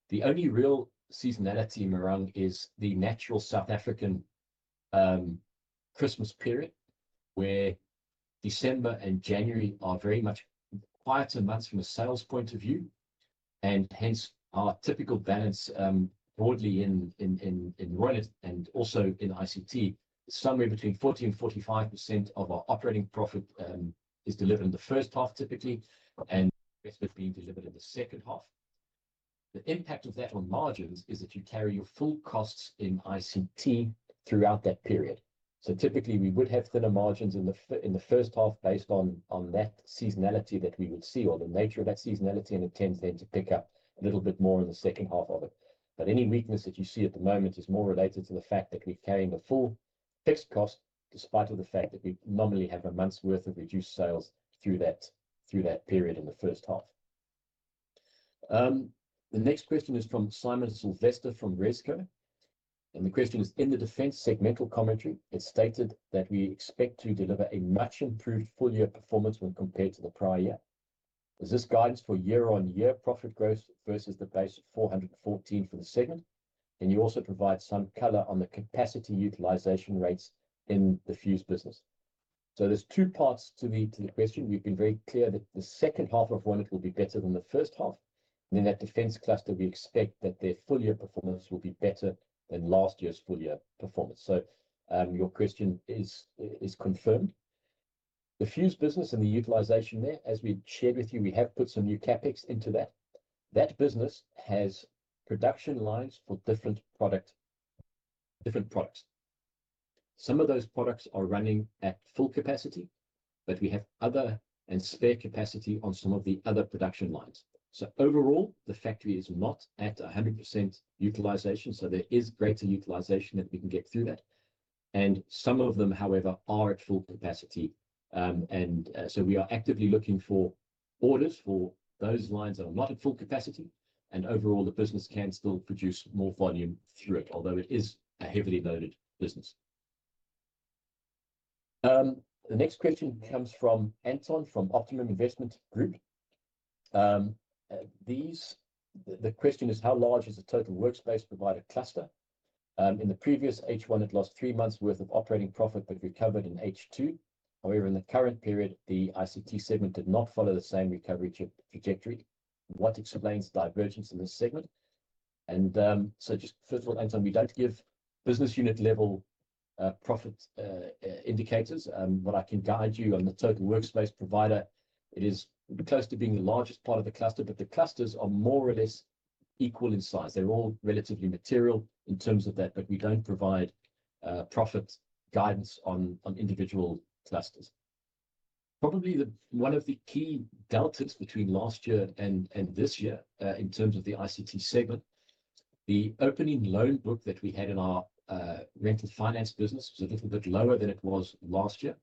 The only real seasonality in Morang is the natural South African Christmas period, where December and January are very much quieter months from a sales point of view, and hence our typical balance broadly in Rowan and also in ICT, somewhere between 40-45% of our operating profit is delivered in the first half typically, and the rest is being delivered in the second half. The impact of that on margins is that you carry your full costs in ICT throughout that period. Typically, we would have thinner margins in the first half based on that seasonality that we would see or the nature of that seasonality, and it tends then to pick up a little bit more in the second half of it. Any weakness that you see at the moment is more related to the fact that we carry the full fixed cost despite the fact that we normally have a month's worth of reduced sales through that period in the first half. The next question is from Simon Silvester from Resco. The question is, in the defense segmental commentary, it's stated that we expect to deliver a much improved full year performance when compared to the prior year. Is this guidance for year-on-year profit growth versus the base of 414 for the segment? Can you also provide some color on the capacity utilization rates in the Fuse business? There are two parts to the question. We have been very clear that the second half of Rowan will be better than the first half. In that defense cluster, we expect that their full year performance will be better than last year's full year performance. Your question is confirmed. The Fuse business and the utilisation there, as we've shared with you, we have put some new CapEx into that. That business has production lines for different products. Some of those products are running at full capacity, but we have other and spare capacity on some of the other production lines. Overall, the factory is not at 100% utilisation, so there is greater utilisation that we can get through that. Some of them, however, are at full capacity. We are actively looking for orders for those lines that are not at full capacity, and overall, the business can still produce more volume through it, although it is a heavily loaded business. The next question comes from Anton from Optimum Investment Group. The question is, how large is the total workspace provider cluster? In the previous H1, it lost three months' worth of operating profit, but recovered in H2. However, in the current period, the ICT segment did not follow the same recovery trajectory. What explains divergence in this segment? Just first of all, Anton, we do not give business unit level profit indicators, but I can guide you on the total workspace provider. It is close to being the largest part of the cluster, but the clusters are more or less equal in size. They are all relatively material in terms of that, but we do not provide profit guidance on individual clusters. Probably one of the key deltas between last year and this year in terms of the ICT segment, the opening loan book that we had in our rental finance business was a little bit lower than it was last year,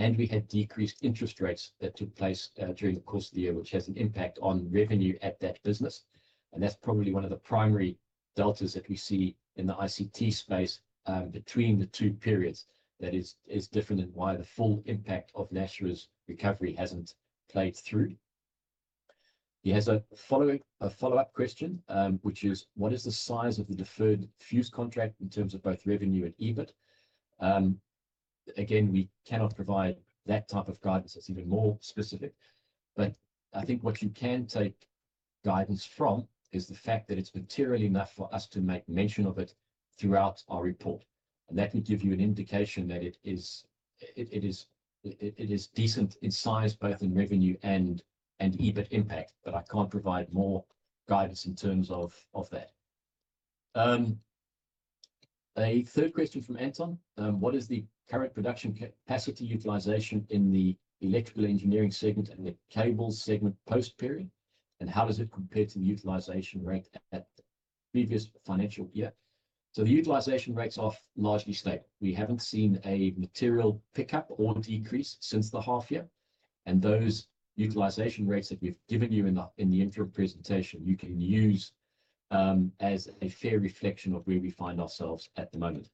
and we had decreased interest rates that took place during the course of the year, which has an impact on revenue at that business. That's probably one of the primary deltas that we see in the ICT space between the two periods that is different in why the full impact of Nashua's recovery hasn't played through. He has a follow-up question, which is, what is the size of the deferred Fuse contract in terms of both revenue and EBIT? Again, we cannot provide that type of guidance. It's even more specific. I think what you can take guidance from is the fact that it's material enough for us to make mention of it throughout our report. That would give you an indication that it is decent in size, both in revenue and EBIT impact, but I can't provide more guidance in terms of that. A third question from Anton, what is the current production capacity utilisation in the electrical engineering segment and the cable segment post-period, and how does it compare to the utilisation rate at the previous financial year? The utilisation rates are largely stable. We haven't seen a material pickup or decrease since the half year. Those utilisation rates that we've given you in the info presentation, you can use as a fair reflection of where we find ourselves at the moment.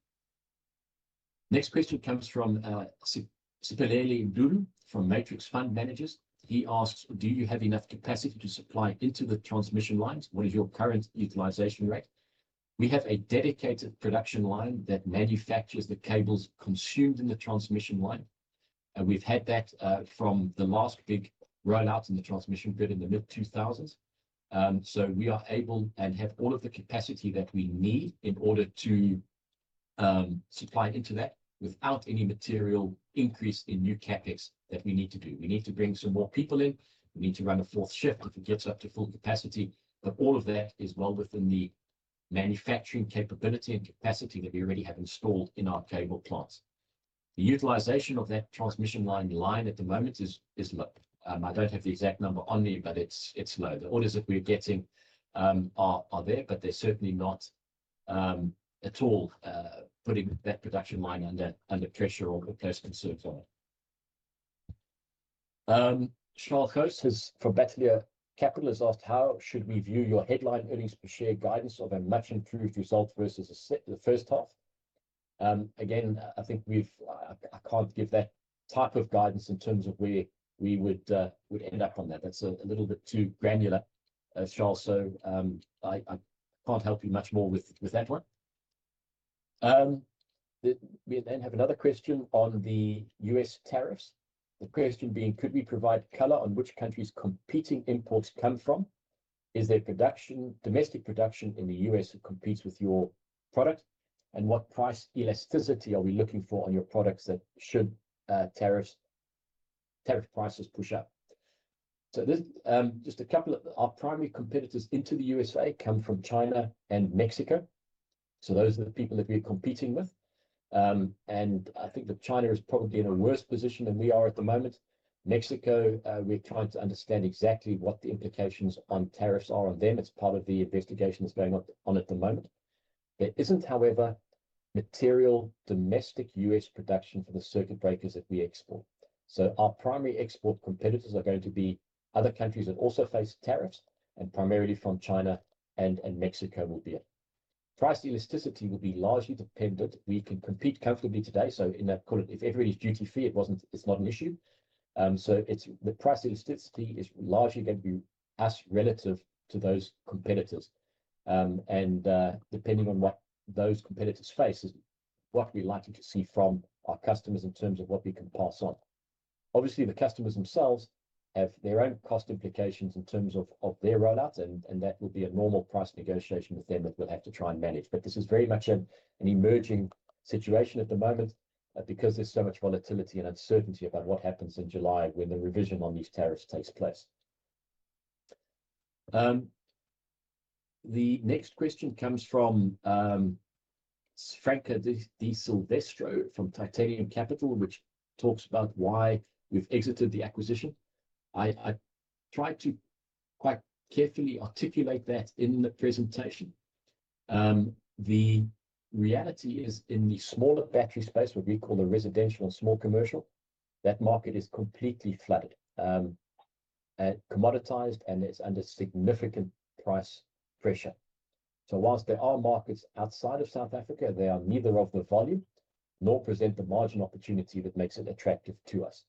Next question comes from Sibele Ndulu from Matrix Fund Managers. He asks, do you have enough capacity to supply into the transmission lines? What is your current utilisation rate? We have a dedicated production line that manufactures the cables consumed in the transmission line. We have had that from the last big rollout in the transmission grid in the mid-2000s. We are able and have all of the capacity that we need in order to supply into that without any material increase in new CapEx that we need to do. We need to bring some more people in. We need to run a fourth shift if it gets up to full capacity. All of that is well within the manufacturing capability and capacity that we already have installed in our cable plants. The utilisation of that transmission line line at the moment is low. I do not have the exact number on me, but it is low. The orders that we're getting are there, but they're certainly not at all putting that production line under pressure or close concerns on it. Charles Kost from Batilea Capital has asked, how should we view your headline earnings per share guidance of a much improved result versus the first half? Again, I think we've—I can't give that type of guidance in terms of where we would end up on that. That's a little bit too granular, Charles. I can't help you much more with that one. We then have another question on the US tariffs. The question being, could we provide color on which countries' competing imports come from? Is there domestic production in the US that competes with your product? What price elasticity are we looking for on your products should tariff prices push up? Just a couple of our primary competitors into the U.S. come from China and Mexico. Those are the people that we're competing with. I think that China is probably in a worse position than we are at the moment. Mexico, we're trying to understand exactly what the implications on tariffs are on them. It's part of the investigation that's going on at the moment. There isn't, however, material domestic U.S. production for the circuit breakers that we export. Our primary export competitors are going to be other countries that also face tariffs, and primarily from China and Mexico will be it. Price elasticity will be largely dependent. We can compete comfortably today. In that, if everybody's duty-free, it's not an issue. The price elasticity is largely going to be as relative to those competitors. Depending on what those competitors face is what we're likely to see from our customers in terms of what we can pass on. Obviously, the customers themselves have their own cost implications in terms of their rollouts, and that will be a normal price negotiation with them that we'll have to try and manage. This is very much an emerging situation at the moment because there's so much volatility and uncertainty about what happens in July when the revision on these tariffs takes place. The next question comes from Franka D. Silvestro from Titanium Capital, which talks about why we've exited the acquisition. I tried to quite carefully articulate that in the presentation. The reality is in the smaller battery space, what we call the residential and small commercial, that market is completely flooded, commoditised, and it's under significant price pressure. Whilst there are markets outside of South Africa, they are neither of the volume nor present the margin opportunity that makes it attractive to us.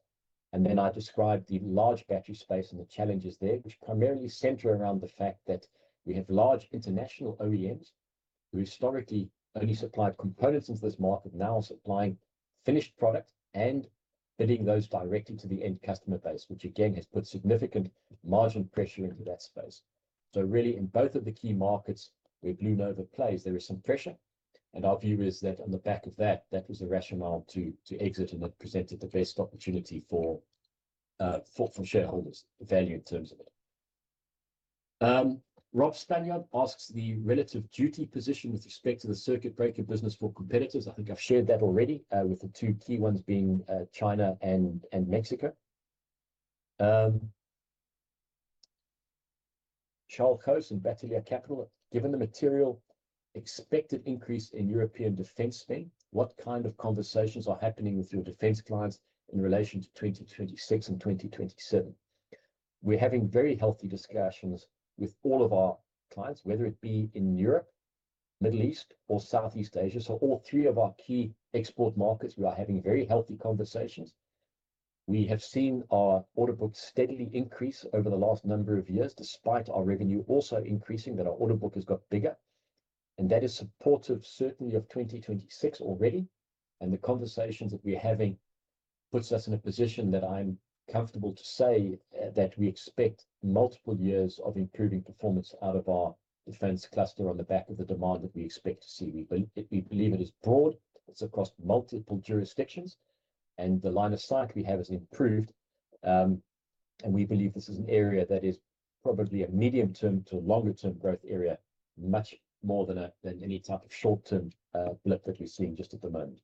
I describe the large battery space and the challenges there, which primarily center around the fact that we have large international OEMs who historically only supplied components into this market, now are supplying finished product and bidding those directly to the end customer base, which again has put significant margin pressure into that space. Really, in both of the key markets where BlueNova plays, there is some pressure. Our view is that on the back of that, that was a rationale to exit and it presented the best opportunity for shareholders' value in terms of it. Rob Stanya asks the relative duty position with respect to the circuit breaker business for competitors. I think I've shared that already with the two key ones being China and Mexico. Charles Kost and Batilea Capital, given the material expected increase in European defense spend, what kind of conversations are happening with your defense clients in relation to 2026 and 2027? We're having very healthy discussions with all of our clients, whether it be in Europe, Middle East, or Southeast Asia. All three of our key export markets, we are having very healthy conversations. We have seen our order book steadily increase over the last number of years despite our revenue also increasing, that our order book has got bigger. That is supportive certainly of 2026 already. The conversations that we're having put us in a position that I'm comfortable to say that we expect multiple years of improving performance out of our defense cluster on the back of the demand that we expect to see. We believe it is broad. It's across multiple jurisdictions. The line of sight we have has improved. We believe this is an area that is probably a medium-term to longer-term growth area, much more than any type of short-term blip that we've seen just at the moment.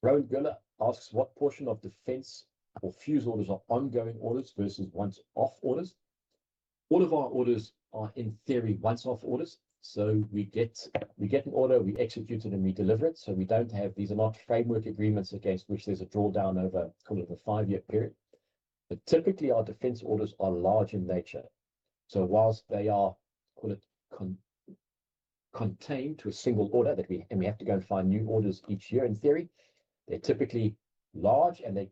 Rowan Geller asks what portion of defense or Fuse orders are ongoing orders versus once-off orders. All of our orders are in theory once-off orders. We get an order, we execute it, and we deliver it. We don't have these; these are not framework agreements against which there's a drawdown over, call it, a five-year period. Typically, our defense orders are large in nature. Whilst they are, call it contained to a single order that we have to go and find new orders each year in theory, they are typically large and they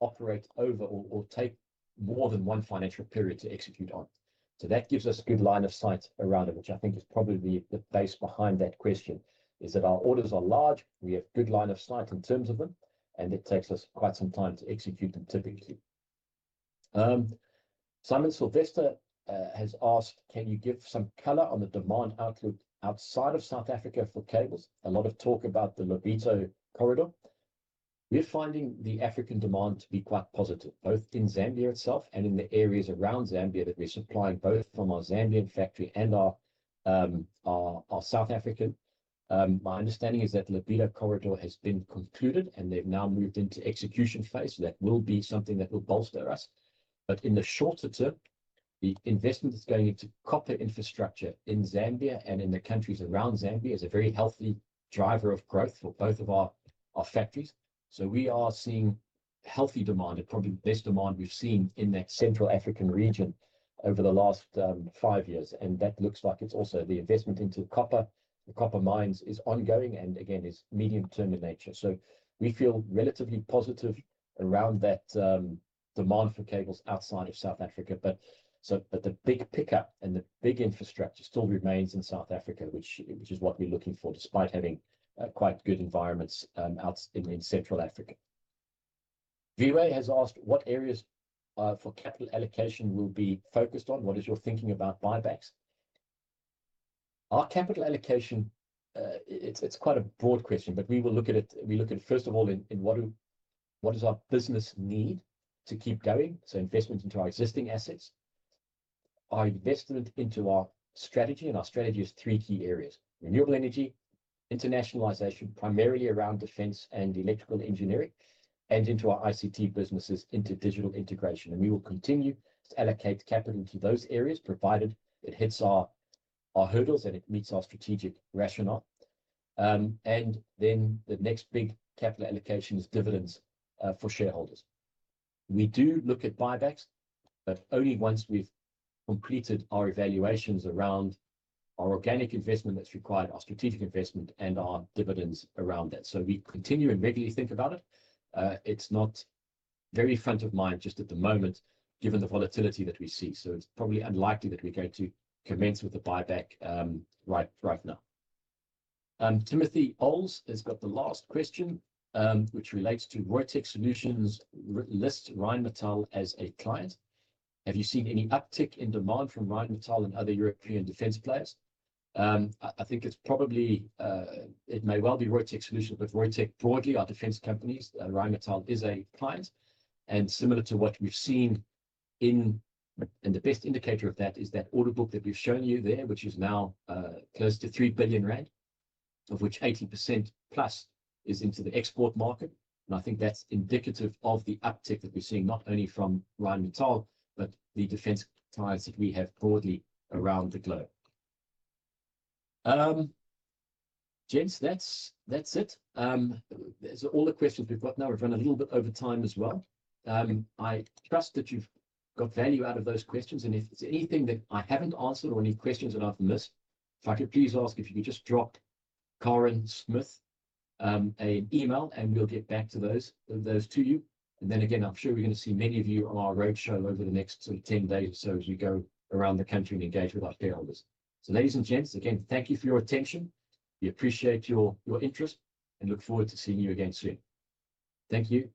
operate over or take more than one financial period to execute on. That gives us a good line of sight around it, which I think is probably the base behind that question, that our orders are large, we have a good line of sight in terms of them, and it takes us quite some time to execute them typically. Simon Silvester has asked, can you give some color on the demand outlook outside of South Africa for cables? A lot of talk about the Lobito corridor. We're finding the African demand to be quite positive, both in Zambia itself and in the areas around Zambia that we're supplying both from our Zambian factory and our South African. My understanding is that the Lobito corridor has been concluded and they've now moved into execution phase. That will be something that will bolster us. In the shorter term, the investment that's going into copper infrastructure in Zambia and in the countries around Zambia is a very healthy driver of growth for both of our factories. We are seeing healthy demand. It's probably the best demand we've seen in that Central African region over the last five years. That looks like it's also the investment into copper. The copper mines is ongoing and again, is medium-term in nature. We feel relatively positive around that demand for cables outside of South Africa. The big pickup and the big infrastructure still remains in South Africa, which is what we're looking for despite having quite good environments out in Central Africa. View A has asked what areas for capital allocation will be focused on. What is your thinking about buybacks? Our capital allocation, it's quite a broad question, but we will look at it. We look at it first of all in what does our business need to keep going? So investment into our existing assets, our investment into our strategy, and our strategy is three key areas: renewable energy, internationalisation primarily around defence and electrical engineering, and into our ICT businesses, into digital integration. We will continue to allocate capital to those areas provided it hits our hurdles and it meets our strategic rationale. The next big capital allocation is dividends for shareholders. We do look at buybacks, but only once we've completed our evaluations around our organic investment that's required, our strategic investment, and our dividends around that. We continue and regularly think about it. It's not very front of mind just at the moment given the volatility that we see. It's probably unlikely that we're going to commence with a buyback right now. Timothy Owles has got the last question, which relates to Reutech Solutions lists Rheinmetall as a client. Have you seen any uptick in demand from Rheinmetall and other European defence players? I think it's probably it may well be Reutech Solutions, but Reutech broadly, our defence companies, Rheinmetall is a client. And similar to what we've seen in. The best indicator of that is that order book that we've shown you there, which is now close to 3 billion rand, of which 80%+ is into the export market. I think that's indicative of the uptick that we're seeing not only from Rheinmetall, but the defence clients that we have broadly around the globe. Gents, that's it. Those are all the questions we've got now. We've run a little bit over time as well. I trust that you've got value out of those questions. If there's anything that I haven't answered or any questions that I've missed, if I could please ask if you could just drop Karen Smith an email and we'll get back to those to you. Again, I'm sure we're going to see many of you on our roadshow over the next sort of 10 days or so as we go around the country and engage with our shareholders. Ladies and gents, again, thank you for your attention. We appreciate your interest and look forward to seeing you again soon. Thank you.